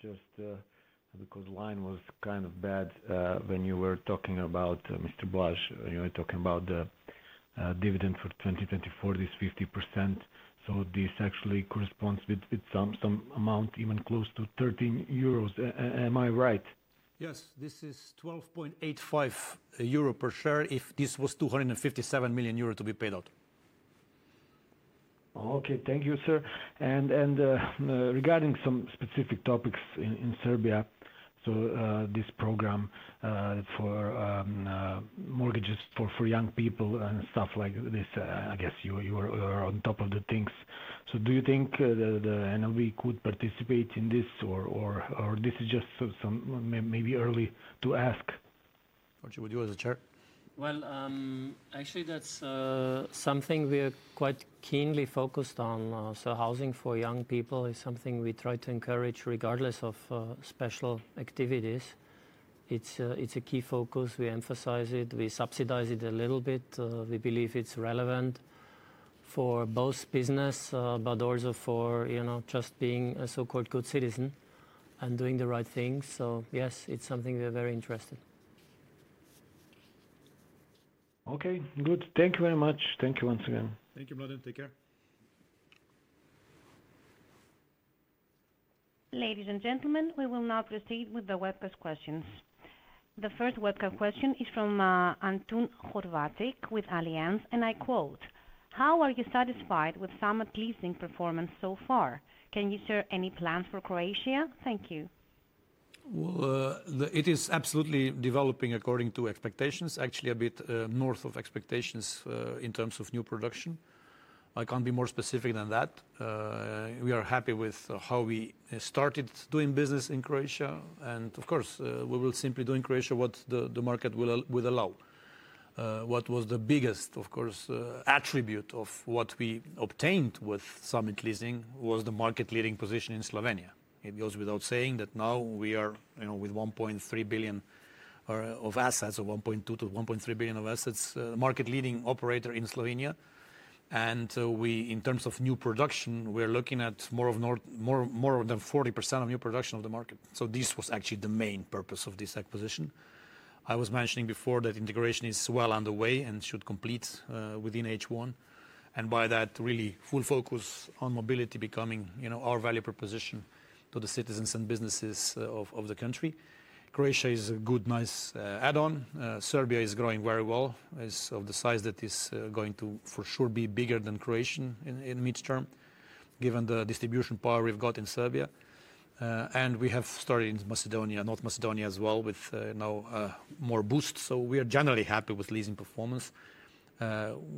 S6: just because the line was kind of bad when you were talking about Mr. Blaž. You were talking about the dividend for 2024, this 50%. So this actually corresponds with some amount even close to 13 euros. Am I right?
S2: Yes, this is 12.85 euro per share if this was 257 million euro to be paid out.
S6: Okay, thank you, sir. And regarding some specific topics in Serbia, so this program for mortgages for young people and stuff like this, I guess you are on top of the things. So do you think the NLB could participate in this or this is just maybe early to ask?
S2: Archie, would you want to share?
S3: Actually, that's something we are quite keenly focused on. So housing for young people is something we try to encourage regardless of special activities. It's a key focus. We emphasize it. We subsidize it a little bit. We believe it's relevant for both business, but also for just being a so-called good citizen and doing the right thing. So yes, it's something we are very interested in.
S6: Okay, good. Thank you very much. Thank you once again.
S3: Thank you brother. Take care.
S1: Ladies and gentlemen, we will now proceed with the webcast questions. The first webcast question is from Antun Horvatić with Allianz, and I quote, "How are you satisfied with Summit Leasing performance so far? Can you share any plans for Croatia?" Thank you.
S2: Well, it is absolutely developing according to expectations, actually a bit north of expectations in terms of new production. I can't be more specific than that. We are happy with how we started doing business in Croatia, and of course, we will simply do in Croatia what the market will allow. What was the biggest, of course, attribute of what we obtained with Summit Leasing was the market-leading position in Slovenia. It goes without saying that now we are with 1.3 billion of assets or 1.2-1.3 billion of assets, market-leading operator in Slovenia, and in terms of new production, we are looking at more than 40% of new production of the market. So this was actually the main purpose of this acquisition. I was mentioning before that integration is well underway and should complete within H1, and by that, really full focus on mobility becoming our value proposition to the citizens and businesses of the country. Croatia is a good, nice add-on. Serbia is growing very well. It's of the size that is going to for sure be bigger than Croatia in midterm, given the distribution power we've got in Serbia. And we have started in Macedonia, North Macedonia as well with now more boost. So we are generally happy with leasing performance.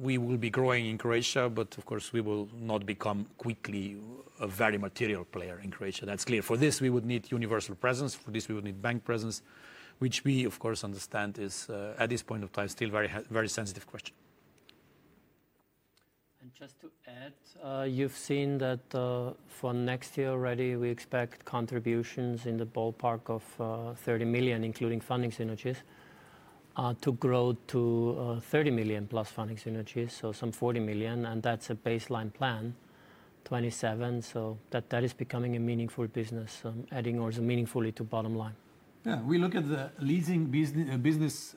S2: We will be growing in Croatia, but of course, we will not become quickly a very material player in Croatia. That's clear. For this, we would need universal presence. For this, we would need bank presence, which we, of course, understand is at this point of time still a very sensitive question.
S3: And just to add, you've seen that for next year already, we expect contributions in the ballpark of 30 million, including funding synergies, to grow to 30 million plus funding synergies, so some 40 million. And that's a baseline plan, 27. So that is becoming a meaningful business, adding also meaningfully to bottom line.
S2: Yeah, we look at the leasing business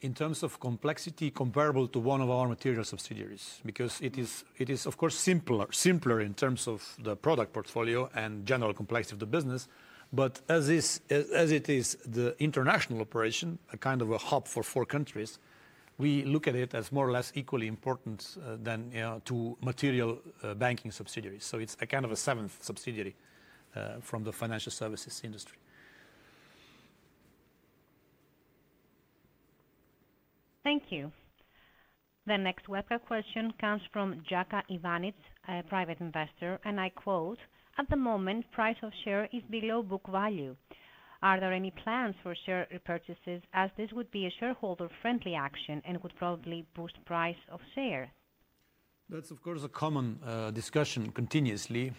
S2: in terms of complexity comparable to one of our material subsidiaries because it is, of course, simpler in terms of the product portfolio and general complexity of the business. But as it is the international operation, a kind of a hub for four countries, we look at it as more or less equally important than two material banking subsidiaries. So it's a kind of a seventh subsidiary from the financial services industry.
S1: Thank you. The next webcast question comes from Jaka Ivanič, a private investor, and I quote, "At the moment, price of share is below book value. Are there any plans for share repurchases as this would be a shareholder-friendly action and would probably boost price of share?"
S2: That's, of course, a common discussion continuously.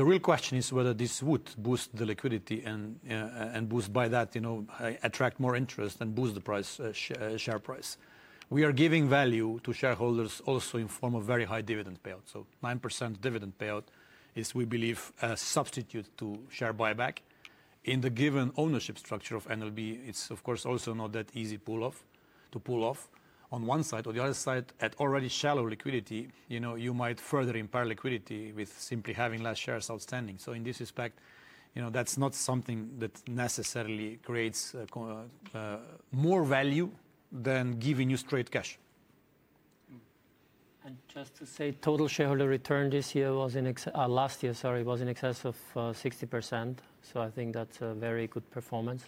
S2: The real question is whether this would boost the liquidity and boost by that, attract more interest and boost the share price. We are giving value to shareholders also in form of very high dividend payout. So 9% dividend payout is, we believe, a substitute to share buyback. In the given ownership structure of NLB, it's, of course, also not that easy to pull off. On one side, on the other side, at already shallow liquidity, you might further impair liquidity with simply having less shares outstanding. So in this respect, that's not something that necessarily creates more value than giving you straight cash.
S4: And just to say, total shareholder return this year was in excess of, sorry, was in excess of 60%. So I think that's a very good performance.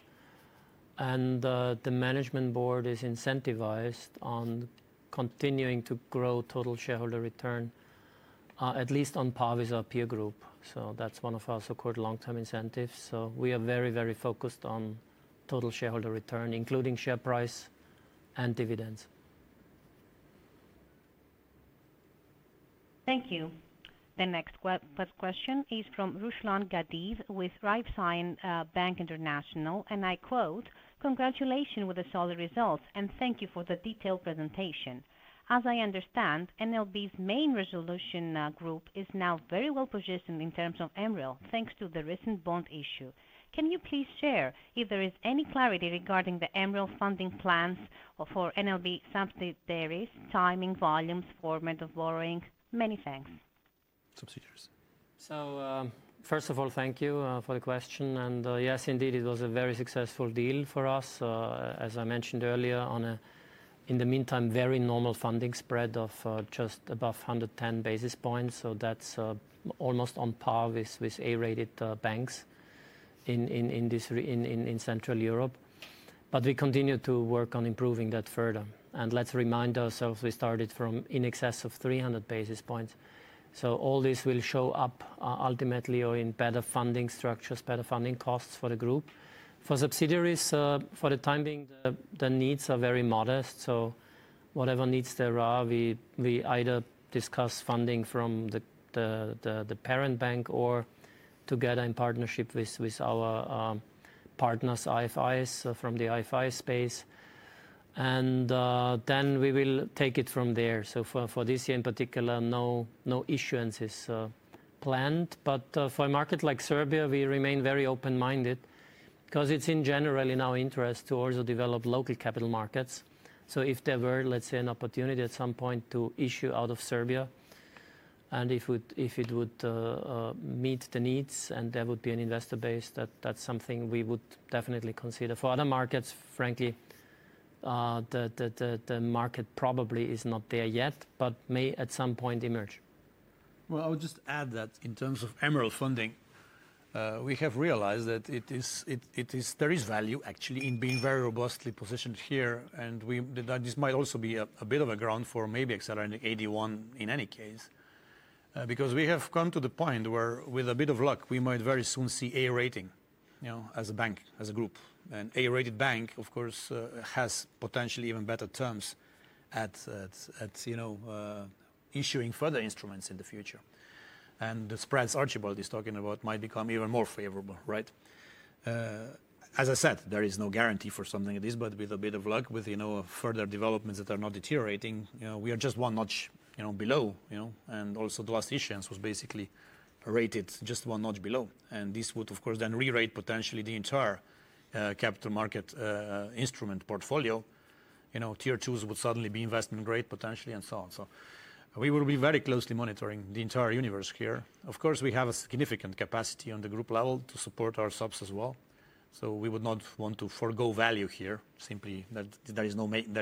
S4: And the management board is incentivized on continuing to grow total shareholder return, at least on paris or peer group. So that's one of our so-called long-term incentives. So we are very, very focused on total shareholder return, including share price and dividends.
S1: Thank you. The next webcast question is from Ruslan Gadeev with Raiffeisen Bank International, and I quote, "Congratulations with the solid results and thank you for the detailed presentation. As I understand, NLB's main resolution group is now very well positioned in terms of MREL thanks to the recent bond issue. Can you please share if there is any clarity regarding the MREL funding plans for NLB subsidiaries, timing, volumes, format of borrowing? Many thanks." Subsidiaries.
S3: So first of all, thank you for the question. And yes, indeed, it was a very successful deal for us. As I mentioned earlier, in the meantime, very normal funding spread of just above 110 basis points. So that's almost on par with A-rated banks in Central Europe. But we continue to work on improving that further. And let's remind ourselves, we started from in excess of 300 basis points. So all this will show up ultimately or in better funding structures, better funding costs for the group. For subsidiaries, for the time being, the needs are very modest. So whatever needs there are, we either discuss funding from the parent bank or together in partnership with our partners, IFIs from the IFI space. And then we will take it from there. So for this year in particular, no issuances planned. But for a market like Serbia, we remain very open-minded because it's generally now of interest to also develop local capital markets. If there were, let's say, an opportunity at some point to issue out of Serbia, and if it would meet the needs and there would be an investor base, that's something we would definitely consider. For other markets, frankly, the market probably is not there yet, but may at some point emerge.
S2: I would just add that in terms of MREL funding, we have realized that there is value actually in being very robustly positioned here. This might also be a bit of a ground for maybe accelerating AT1 in any case. Because we have come to the point where, with a bit of luck, we might very soon see A-rating as a bank, as a group. A-rated bank, of course, has potentially even better terms at issuing further instruments in the future. The spreads Archibald is talking about might become even more favorable, right? As I said, there is no guarantee for something like this, but with a bit of luck, with further developments that are not deteriorating, we are just one notch below. And also the last issuance was basically rated just one notch below. And this would, of course, then re-rate potentially the entire capital market instrument portfolio. Tier 2s would suddenly be investment-grade potentially and so on. So we will be very closely monitoring the entire universe here. Of course, we have a significant capacity on the group level to support our subs as well. So we would not want to forgo value here. Simply, there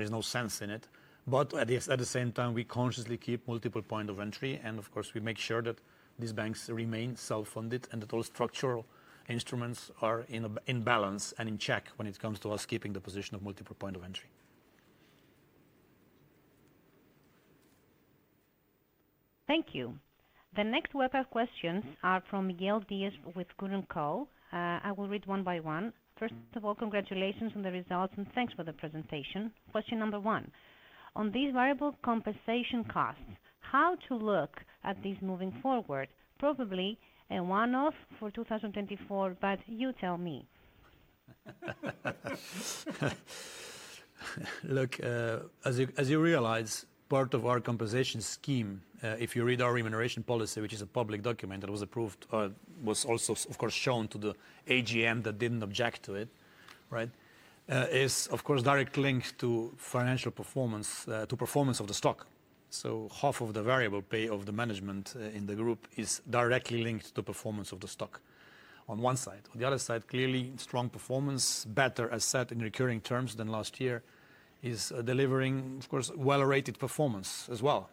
S2: is no sense in it. But at the same time, we consciously keep multiple points of entry. And of course, we make sure that these banks remain self-funded and that all structural instruments are in balance and in check when it comes to us keeping the position of multiple points of entry.
S1: Thank you. The next webcast questions are from Miguel Diaz with Gorenje. I will read one by one. First of all, congratulations on the results and thanks for the presentation. Question number one. On these variable compensation costs, how to look at these moving forward? Probably one-off for 2024, but you tell me.
S2: Look, as you realize, part of our compensation scheme, if you read our remuneration policy, which is a public document that was approved, was also, of course, shown to the AGM that didn't object to it, right, is of course direct linked to financial performance, to performance of the stock. So half of the variable pay of the management in the group is directly linked to performance of the stock on one side. On the other side, clearly strong performance, better, as said in recurring terms than last year, is delivering, of course, well-rated performance as well.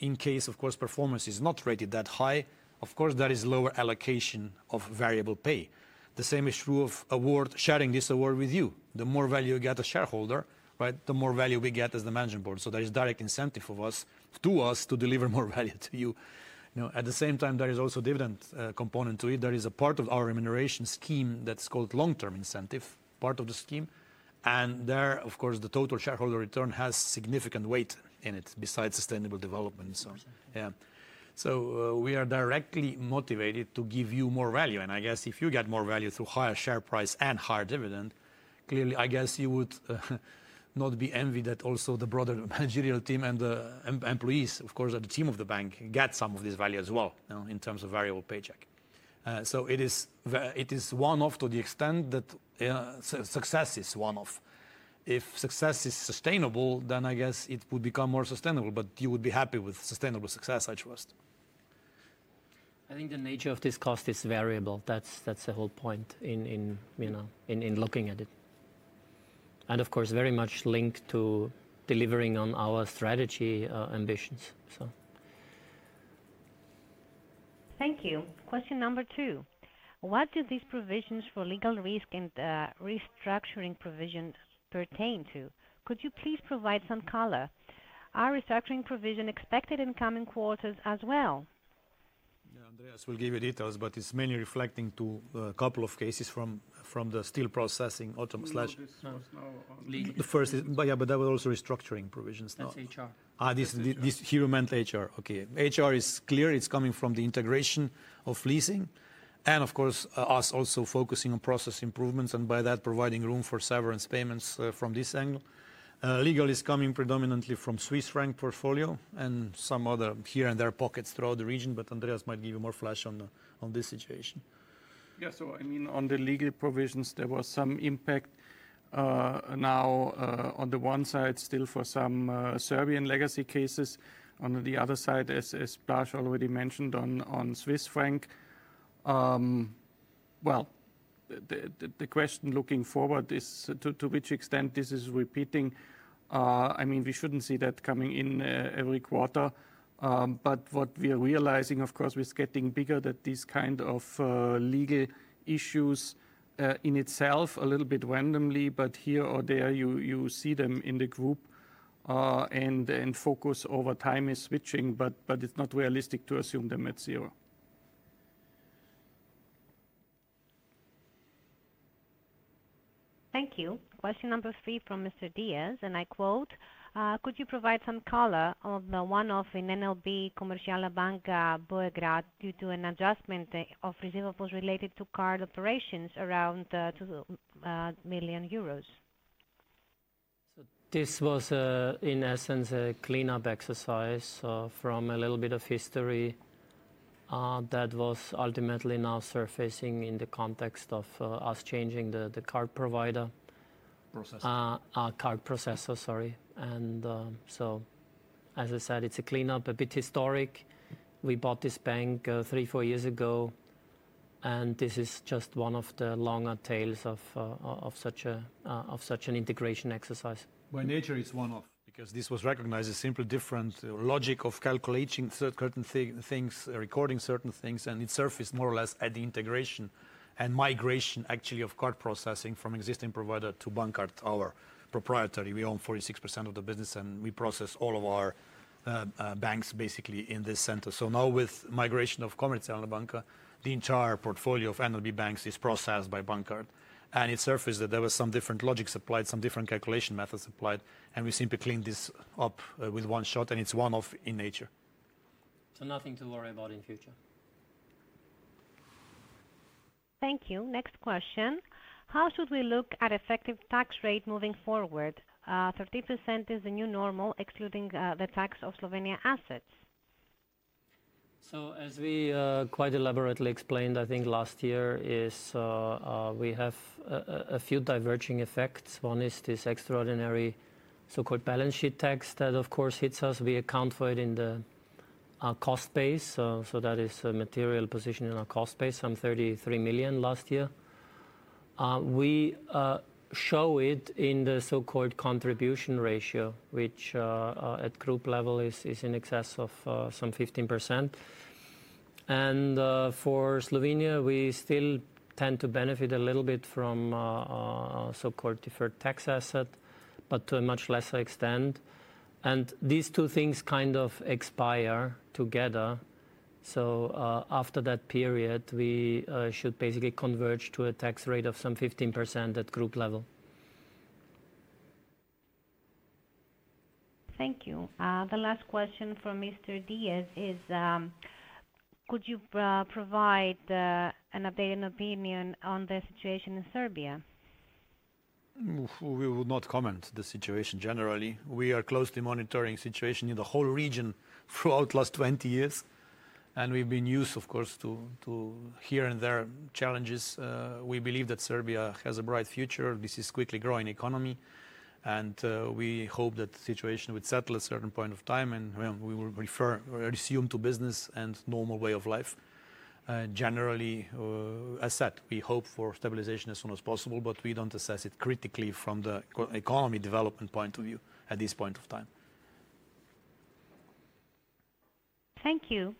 S2: In case, of course, performance is not rated that high, of course, there is lower allocation of variable pay. The same is true of award, sharing this award with you. The more value you get as shareholder, right, the more value we get as the management board. So there is direct incentive for us to deliver more value to you. At the same time, there is also a dividend component to it. There is a part of our remuneration scheme that's called long-term incentive, part of the scheme. And there, of course, the Total Shareholder Return has significant weight in it besides sustainable development. Yeah. So we are directly motivated to give you more value. And I guess if you get more value through higher share price and higher dividend, clearly, I guess you would not be envy that also the broader managerial team and the employees, of course, at the team of the bank get some of this value as well in terms of variable paycheck. So it is one-off to the extent that success is one-off. If success is sustainable, then I guess it would become more sustainable, but you would be happy with sustainable success, I trust.
S4: I think the nature of this cost is variable. That's the whole point in looking at it. And of course, very much linked to delivering on our strategy ambitions.
S1: Thank you. Question number two. What do these provisions for legal risk and restructuring provision pertain to? Could you please provide some color? Are restructuring provision expected in coming quarters as well?
S2: Yeah, Andreas will give you details, but it's mainly reflecting to a couple of cases from the steel processing auto slash legal. The first is, yeah, but that was also restructuring provisions. That's HR. This here meant HR. Okay. HR is clear. It's coming from the integration of leasing. And of course, us also focusing on process improvements and by that providing room for severance payments from this angle. Legal is coming predominantly from Swiss franc portfolio and some other here and there pockets throughout the region, but Andreas might give you more flesh on this situation.
S4: Yeah, so I mean, on the legal provisions, there was some impact now on the one side still for some Serbian legacy cases. On the other side, as Blaž already mentioned on Swiss franc, well, the question looking forward is to which extent this is repeating. I mean, we shouldn't see that coming in every quarter. But what we are realizing, of course, is getting bigger that these kind of legal issues in itself a little bit randomly, but here or there you see them in the group. And focus over time is switching, but it's not realistic to assume them at zero.
S1: Thank you. Question number three from Mr. Diaz, and I quote, "Could you provide some color on the one-off in NLB Commerciale Banca due to an adjustment of reserves related to card operations around 2 million euros?"
S3: So this was in essence a cleanup exercise from a little bit of history that was ultimately now surfacing in the context of us changing the card provider. Processor. Card processor, sorry. And so as I said, it's a cleanup, a bit historic. We bought this bank three, four years ago, and this is just one of the longer tales of such an integration exercise.
S2: By nature, it's one-off because this was recognized as simply different logic of calculating certain things, recording certain things, and it surfaced more or less at the integration and migration actually of card processing from existing provider to Bankart, our proprietary. We own 46% of the business, and we process all of our banks basically in this center. So now with migration of Commerciale Banca, the entire portfolio of NLB banks is processed by Bankart. And it surfaced that there were some different logics applied, some different calculation methods applied, and we simply cleaned this up with one shot, and it's one-off in nature.
S3: So nothing to worry about in future.
S1: Thank you. Next question. How should we look at effective tax rate moving forward? 30% is the new normal excluding the tax of Slovenia assets.
S3: So as we quite elaborately explained, I think last year is we have a few diverging effects. One is this extraordinary so-called Balance Sheet Tax that, of course, hits us. We account for it in the cost base. So that is a material position in our cost base, some 33 million last year. We show it in the so-called contribution ratio, which at group level is in excess of some 15%. And for Slovenia, we still tend to benefit a little bit from so-called deferred tax asset, but to a much lesser extent. And these two things kind of expire together. So after that period, we should basically converge to a tax rate of some 15% at group level.
S1: Thank you. The last question from Mr. Díaz is, "Could you provide an updated opinion on the situation in Serbia?"
S2: We would not comment on the situation generally. We are closely monitoring the situation in the whole region throughout the last 20 years, and we've been used, of course, to here and there challenges. We believe that Serbia has a bright future. This is a quickly growing economy, and we hope that the situation would settle at a certain point of time, and we will refer or resume to business and normal way of life. Generally, as said, we hope for stabilization as soon as possible, but we don't assess it critically from the economy development point of view at this point of time.
S1: Thank you.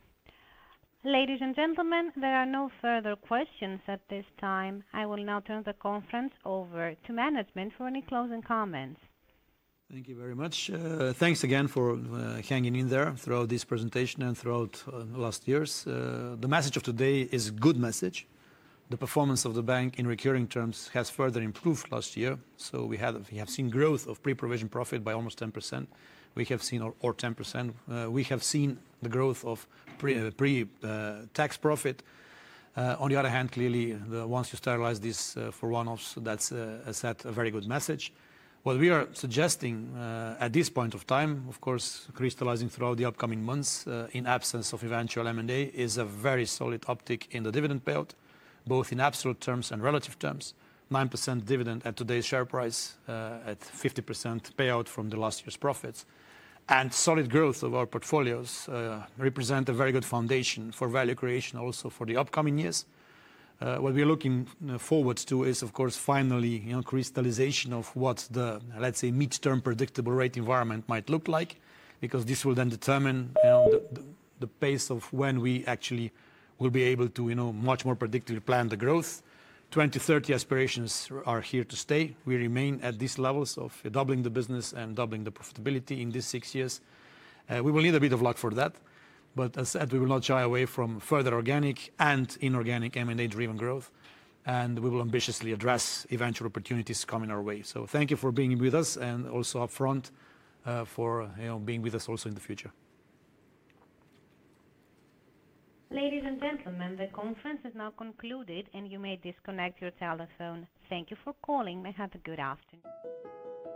S1: Ladies and gentlemen, there are no further questions at this time. I will now turn the conference over to management for any closing comments.
S2: Thank you very much. Thanks again for hanging in there throughout this presentation and throughout last year's. The message of today is a good message. The performance of the bank in recurring terms has further improved last year. So we have seen growth of pre-provision profit by almost 10%. We have seen the growth of pre-tax profit. On the other hand, clearly, once you stabilize this for one-offs, that's a very good message. What we are suggesting at this point of time, of course, crystallizing throughout the upcoming months in absence of eventual M&A, is a very solid uptick in the dividend payout, both in absolute terms and relative terms. 9% dividend at today's share price at 50% payout from the last year's profits and solid growth of our portfolios represents a very good foundation for value creation also for the upcoming years. What we're looking forward to is, of course, finally crystallization of what the, let's say, mid-term predictable rate environment might look like. Because this will then determine the pace of when we actually will be able to much more predictably plan the growth. 2030 aspirations are here to stay. We remain at these levels of doubling the business and doubling the profitability in these six years. We will need a bit of luck for that. But as said, we will not shy away from further organic and inorganic M&A-driven growth. And we will ambitiously address eventual opportunities coming our way. So thank you for being with us and also upfront for being with us also in the future.
S1: Ladies and gentlemen, the conference is now concluded, and you may disconnect your telephone. Thank you for calling. May you have a good afternoon.